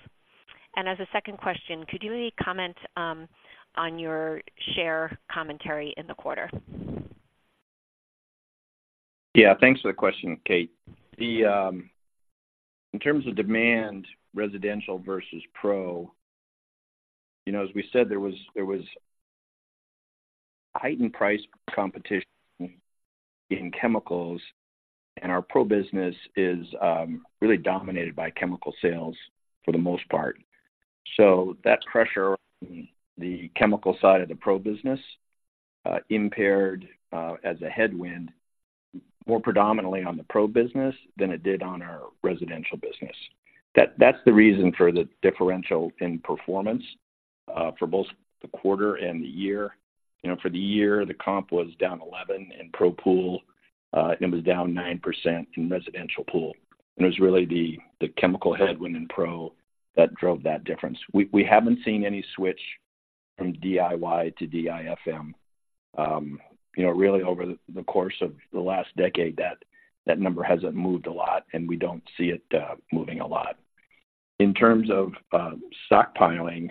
And as a second question, could you maybe comment on your share commentary in the quarter? Yeah, thanks for the question, Kate. The, in terms of demand, residential versus pro, you know, as we said, there was heightened price competition in chemicals, and our pro business is really dominated by chemical sales for the most part. So that pressure on the chemical side of the pro business, impaired, as a headwind, more predominantly on the pro business than it did on our residential business. That's the reason for the differential in performance, for both the quarter and the year. You know, for the year, the comp was down 11 in pro pool, and it was down 9% in residential pool. And it was really the chemical headwind in pro that drove that difference. We haven't seen any switch from DIY to DIFM. You know, really, over the course of the last decade, that, that number hasn't moved a lot, and we don't see it moving a lot. In terms of stockpiling,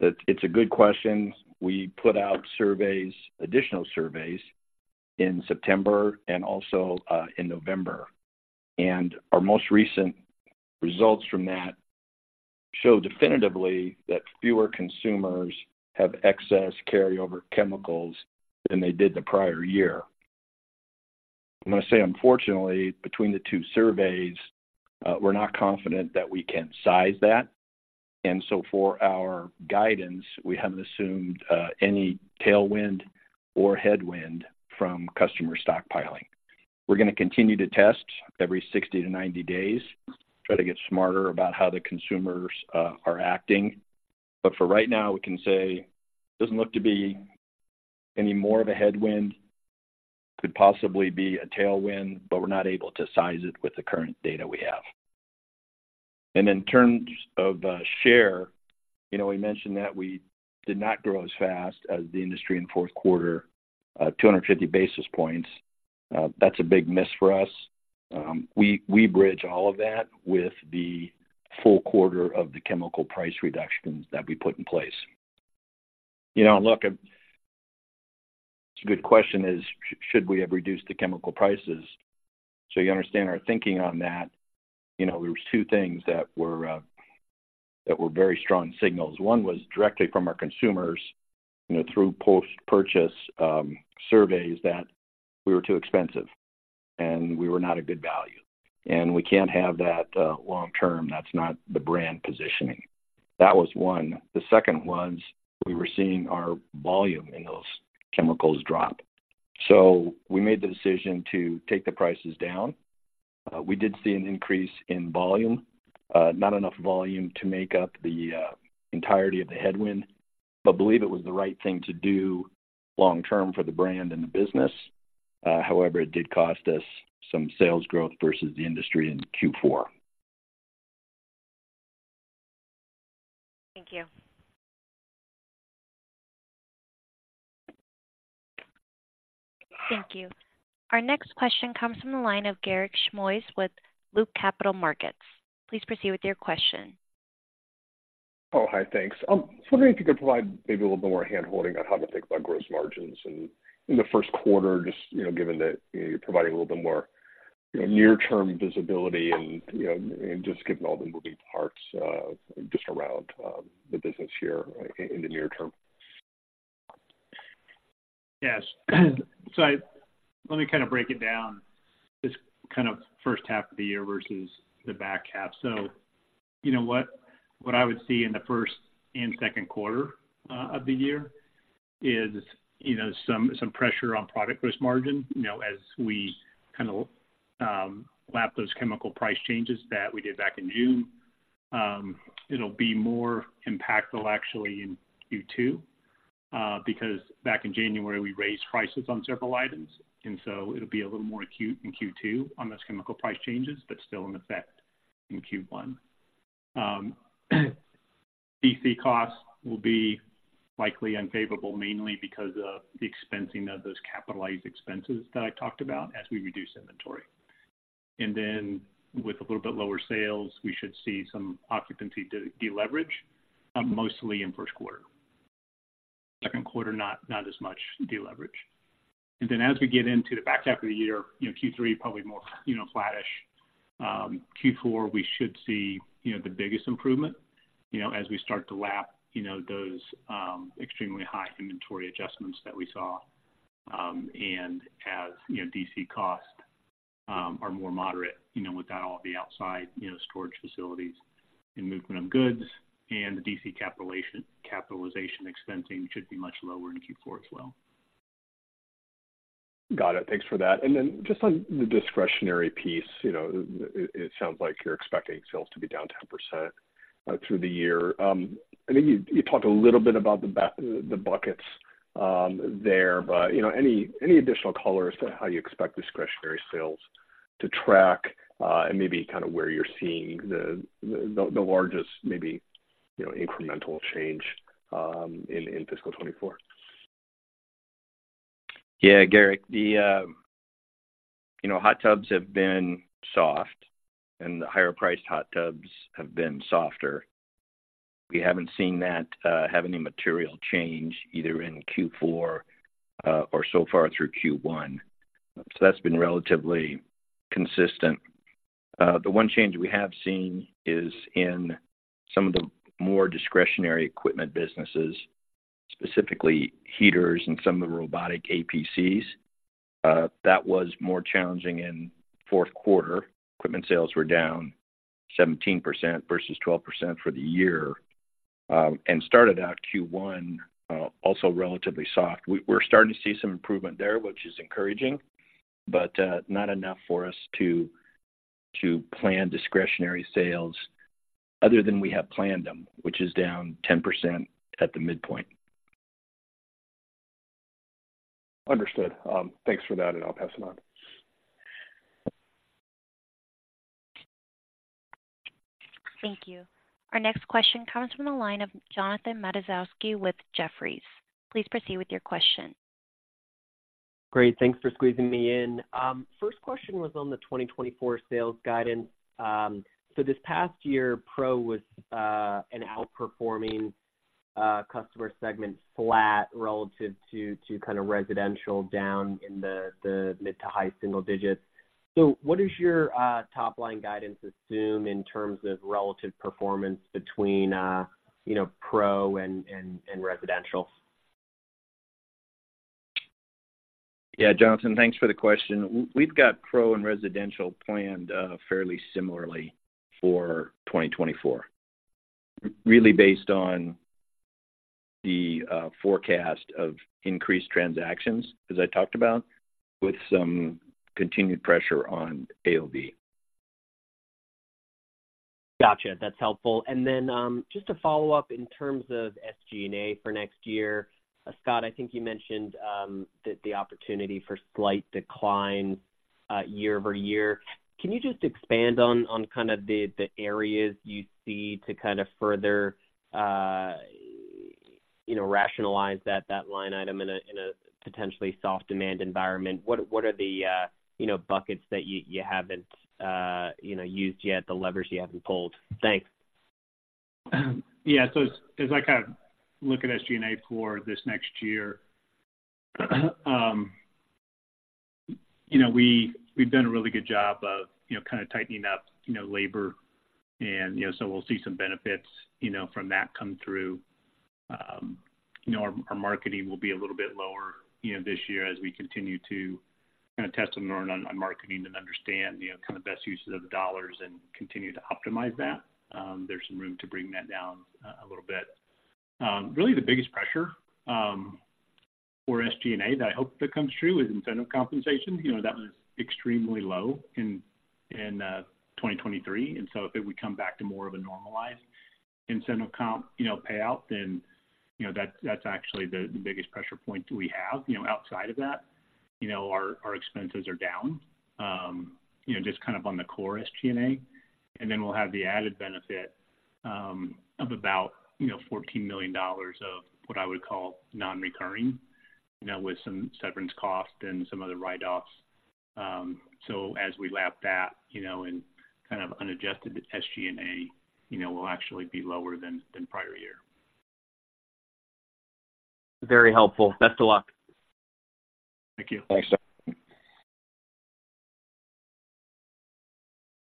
it's, it's a good question. We put out surveys, additional surveys in September and also in November. And our most recent results from that show definitively that fewer consumers have excess carryover chemicals than they did the prior year. I'm going to say, unfortunately, between the two surveys, we're not confident that we can size that. And so for our guidance, we haven't assumed any tailwind or headwind from customer stockpiling. We're going to continue to test every 60-90 days, try to get smarter about how the consumers are acting. But for right now, we can say it doesn't look to be any more of a headwind, could possibly be a tailwind, but we're not able to size it with the current data we have. And in terms of, share, you know, we mentioned that we did not grow as fast as the industry in Q4, 250 basis points. That's a big miss for us. We bridge all of that with the full quarter of the chemical price reductions that we put in place. You know, look, a good question is, should we have reduced the chemical prices? So you understand our thinking on that, you know, there were two things that were very strong signals. One was directly from our consumers, you know, through post-purchase surveys, that we were too expensive and we were not a good value, and we can't have that long term. That's not the brand positioning. That was one. The second was, we were seeing our volume in those chemicals drop. So we made the decision to take the prices down. We did see an increase in volume, not enough volume to make up the entirety of the headwind, but believe it was the right thing to do long term for the brand and the business. However, it did cost us some sales growth versus the industry in Q4. Thank you. Thank you. Our next question comes from the line of Garik Shmois with Loop Capital Markets. Please proceed with your question. Oh, hi, thanks. I was wondering if you could provide maybe a little bit more handholding on how to think about gross margins and in the Q1, just, you know, given that you're providing a little bit more, you know, near-term visibility and, you know, and just given all the moving parts, just around the business here in the near term. Yes. So let me kind of break it down, this kind of first half of the year versus the back half. So you know what I would see in the first and Q2 of the year is, you know, some pressure on product gross margin. You know, as we kind of lap those chemical price changes that we did back in June, it'll be more impactful actually in Q2, because back in January, we raised prices on several items, and so it'll be a little more acute in Q2 on those chemical price changes, but still in effect in Q1. DC costs will be likely unfavorable, mainly because of the expensing of those capitalized expenses that I talked about as we reduce inventory. And then, with a little bit lower sales, we should see some occupancy deleverage, mostly in Q1. Q2, not as much deleverage. And then as we get into the back half of the year, you know, Q3, probably more, you know, flattish. Q4, we should see, you know, the biggest improvement, you know, as we start to lap, you know, those extremely high inventory adjustments that we saw, and as, you know, DC costs are more moderate, you know, without all the outside, you know, storage facilities and movement of goods, and the DC capitalization expensing should be much lower in Q4 as well. Got it. Thanks for that. And then just on the discretionary piece, you know, it sounds like you're expecting sales to be down 10% through the year. I think you talked a little bit about the buckets there, but you know, any additional color as to how you expect discretionary sales to track, and maybe kind of where you're seeing the largest, maybe you know, incremental change in fiscal 2024? Yeah, Garik, the, you know, hot tubs have been soft and the higher-priced hot tubs have been softer. We haven't seen that have any material change either in Q4 or so far through Q1. So that's been relatively consistent. The one change we have seen is in some of the more discretionary equipment businesses, specifically heaters and some of the robotic APCs. That was more challenging in Q4. Equipment sales were down 17% versus 12% for the year, and started out Q1 also relatively soft. We're starting to see some improvement there, which is encouraging, but not enough for us to plan discretionary sales other than we have planned them, which is down 10% at the midpoint. Understood. Thanks for that, and I'll pass it on. Thank you. Our next question comes from the line of Jonathan Matuszewski with Jefferies. Please proceed with your question. Great. Thanks for squeezing me in. First question was on the 2024 sales guidance. So this past year, Pro was an outperforming customer segment, flat relative to kind of residential down in the mid- to high-single digits. So what does your top-line guidance assume in terms of relative performance between, you know, Pro and Residential? Yeah, Jonathan, thanks for the question. We've got Pro and Residential planned fairly similarly for 2024. Really based on the forecast of increased transactions, as I talked about, with some continued pressure on AOV. Gotcha. That's helpful. And then, just to follow up in terms of SG&A for next year, Scott, I think you mentioned, the, the opportunity for slight decline, year-over-year. Can you just expand on, on kind of the, the areas you see to kind of further, you know, rationalize that, that line item in a, in a potentially soft demand environment? What, what are the, you know, buckets that you, you haven't, you know, used yet, the levers you haven't pulled? Thanks. Yeah. So as I kind of look at SG&A for this next year, you know, we've done a really good job of, you know, kind of tightening up, you know, labor and, you know, so we'll see some benefits, you know, from that come through. You know, our marketing will be a little bit lower, you know, this year as we continue to kind of test and learn on marketing and understand, you know, kind of best uses of the dollars and continue to optimize that. There's some room to bring that down a little bit. Really, the biggest pressure for SG&A that I hope that comes true is incentive compensation. You know, that was extremely low in 2023, and so if it would come back to more of a normalized incentive comp, you know, payout, then, you know, that's actually the biggest pressure point that we have. You know, outside of that, you know, our expenses are down, you know, just kind of on the core SG&A. And then we'll have the added benefit of about $14 million of what I would call non-recurring, you know, with some severance costs and some other write-offs. So as we lap that, you know, in kind of unadjusted, the SG&A, you know, will actually be lower than prior year. Very helpful. Best of luck. Thank you. Thanks, John.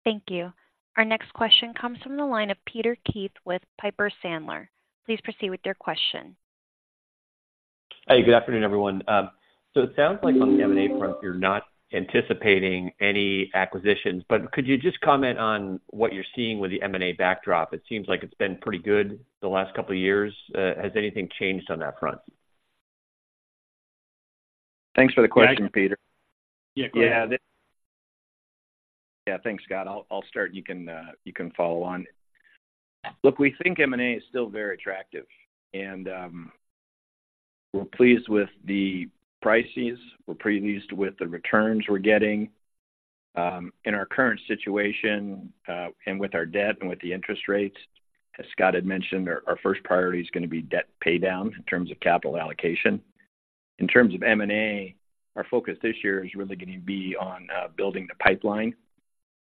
Thank you. Our next question comes from the line of Peter Keith with Piper Sandler. Please proceed with your question. Hey, good afternoon, everyone. So it sounds like on the M&A front, you're not anticipating any acquisitions, but could you just comment on what you're seeing with the M&A backdrop? It seems like it's been pretty good the last couple of years. Has anything changed on that front? Thanks for the question, Peter. Yeah. Yeah. Yeah, thanks, Scott. I'll, I'll start, and you can, you can follow on. Look, we think M&A is still very attractive, and, we're pleased with the prices, we're pleased with the returns we're getting. In our current situation, and with our debt and with the interest rates, as Scott had mentioned, our, our first priority is gonna be debt paydown in terms of capital allocation. In terms of M&A, our focus this year is really going to be on, building the pipeline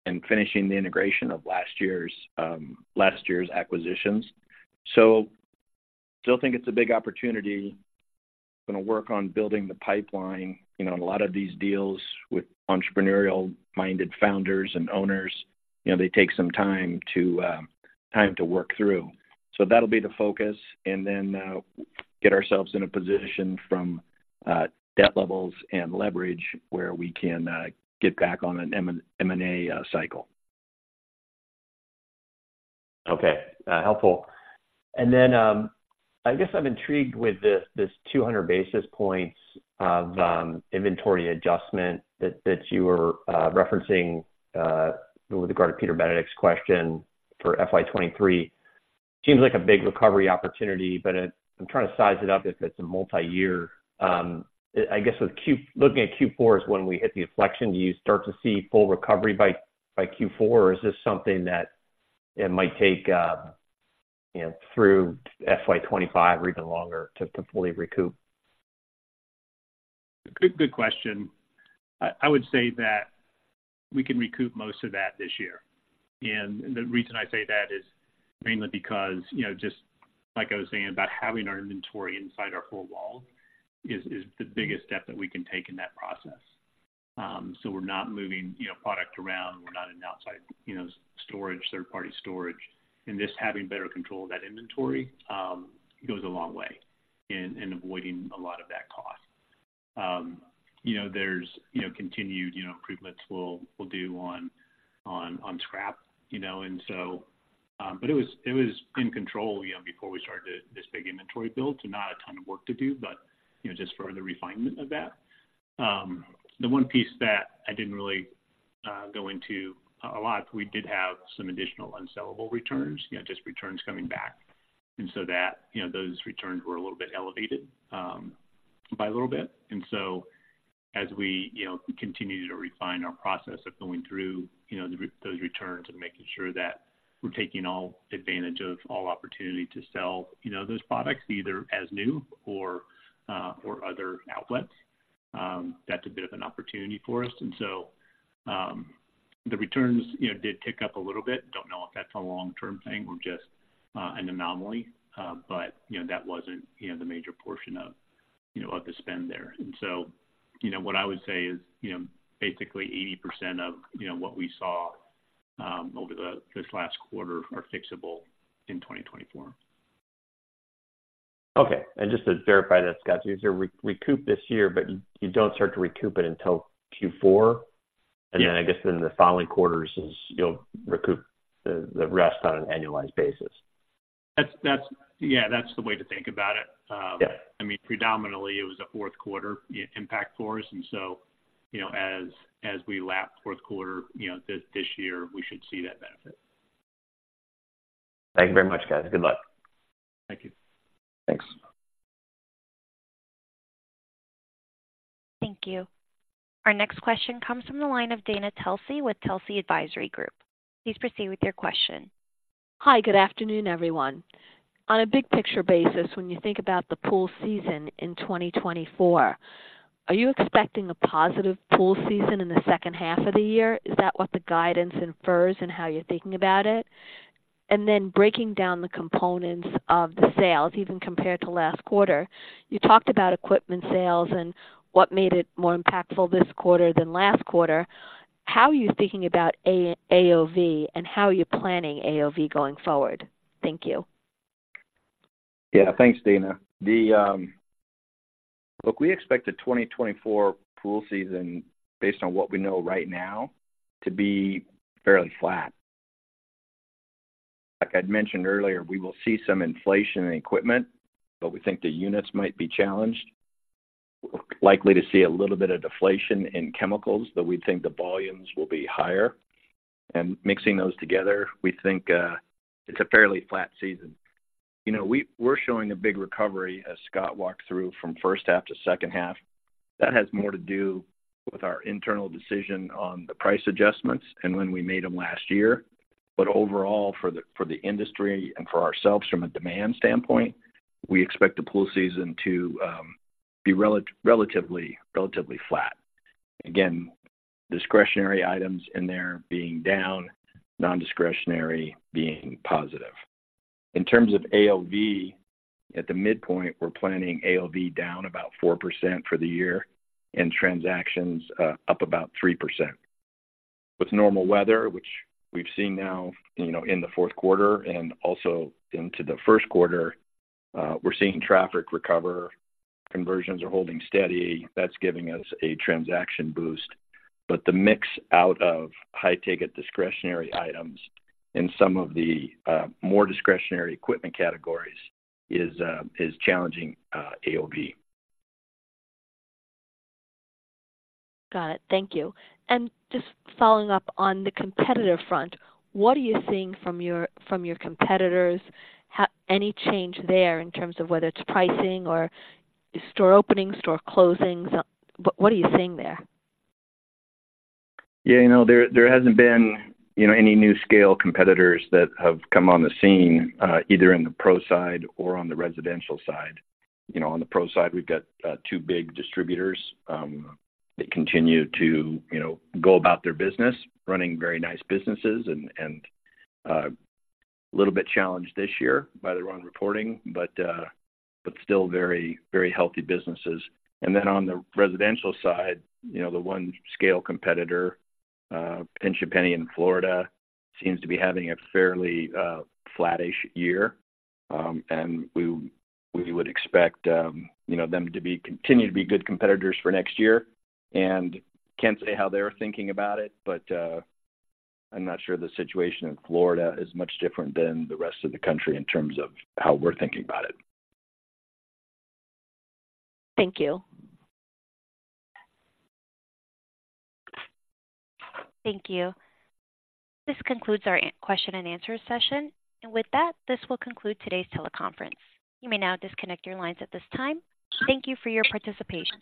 and finishing the integration of last year's, last year's acquisitions. So still think it's a big opportunity. Gonna work on building the pipeline. You know, a lot of these deals with entrepreneurial-minded founders and owners, you know, they take some time to, time to work through. So that'll be the focus, and then get ourselves in a position from debt levels and leverage where we can get back on an M&A cycle. Okay. Helpful. And then, I guess I'm intrigued with this, this 200 basis points of inventory adjustment that you were referencing with regard to Peter Benedict's question for FY 2023. Seems like a big recovery opportunity, but I'm trying to size it up if it's a multi-year. I guess with Q4, looking at Q4 is when we hit the inflection, do you start to see full recovery by Q4? Or is this something that it might take, you know, through FY 2025 or even longer to fully recoup? Good, good question. I would say that we can recoup most of that this year. And the reason I say that is mainly because, you know, just like I was saying about having our inventory inside our four walls is the biggest step that we can take in that process. So we're not moving, you know, product around. We're not in outside, you know, storage, third-party storage. And just having better control of that inventory goes a long way in avoiding a lot of that cost. You know, there's continued improvements we'll do on scrap, you know, and so. But it was in control, you know, before we started this big inventory build. So not a ton of work to do, but, you know, just for the refinement of that. The one piece that I didn't really go into a lot, we did have some additional unsellable returns, you know, just returns coming back. And so that, you know, those returns were a little bit elevated by a little bit. And so as we, you know, continue to refine our process of going through, you know, the, those returns and making sure that we're taking all advantage of all opportunity to sell, you know, those products, either as new or or other outlets, that's a bit of an opportunity for us. And so, the returns, you know, did tick up a little bit. Don't know if that's a long-term thing or just an anomaly, but, you know, that wasn't, you know, the major portion of, you know, of the spend there. And so, you know, what I would say is, you know, basically 80% of, you know, what we saw over this last quarter are fixable in 2024. Okay. And just to verify that, Scott, so you recoup this year, but you don't start to recoup it until Q4? Yeah. And then I guess in the following quarters, you'll recoup the rest on an annualized basis. That's, yeah, that's the way to think about it. Yeah. I mean, predominantly, it was a Q4 impact for us, and so, you know, as we lap Q4, you know, this year, we should see that benefit. Thank you very much, guys. Good luck. Thank you. Thanks. Thank you. Our next question comes from the line of Dana Telsey with Telsey Advisory Group. Please proceed with your question. Hi, good afternoon, everyone. On a big picture basis, when you think about the pool season in 2024, are you expecting a positive pool season in the second half of the year? Is that what the guidance infers and how you're thinking about it? And then breaking down the components of the sales, even compared to last quarter, you talked about equipment sales and what made it more impactful this quarter than last quarter. How are you thinking about AOV, and how are you planning AOV going forward? Thank you. Yeah, thanks, Dana. Look, we expect the 2024 pool season, based on what we know right now, to be fairly flat. Like I'd mentioned earlier, we will see some inflation in equipment, but we think the units might be challenged. Likely to see a little bit of deflation in chemicals, but we think the volumes will be higher. And mixing those together, we think, it's a fairly flat season. You know, we're showing a big recovery as Scott walked through from first half to second half. That has more to do with our internal decision on the price adjustments and when we made them last year. But overall, for the industry and for ourselves, from a demand standpoint, we expect the pool season to be relatively, relatively flat. Again, discretionary items in there being down, nondiscretionary being positive. In terms of AOV, at the midpoint, we're planning AOV down about 4% for the year and transactions up about 3%. With normal weather, which we've seen now, you know, in the Q4 and also into the Q1, we're seeing traffic recover. Conversions are holding steady. That's giving us a transaction boost. But the mix out of high-ticket discretionary items in some of the more discretionary equipment categories is challenging AOV. Got it. Thank you. Just following up on the competitor front, what are you seeing from your, from your competitors? How, any change there in terms of whether it's pricing or store openings, store closings? What, what are you seeing there? Yeah, you know, there hasn't been, you know, any new scale competitors that have come on the scene, either in the pro side or on the residential side. You know, on the pro side, we've got two big distributors that continue to, you know, go about their business, running very nice businesses and a little bit challenged this year by their own reporting, but still very, very healthy businesses. And then on the residential side, you know, the one scale competitor, Pinch A Penny in Florida, seems to be having a fairly flattish year. We would expect, you know, them to continue to be good competitors for next year, and can't say how they're thinking about it, but I'm not sure the situation in Florida is much different than the rest of the country in terms of how we're thinking about it. Thank you. Thank you. This concludes our question and answer session. With that, this will conclude today's teleconference. You may now disconnect your lines at this time. Thank you for your participation.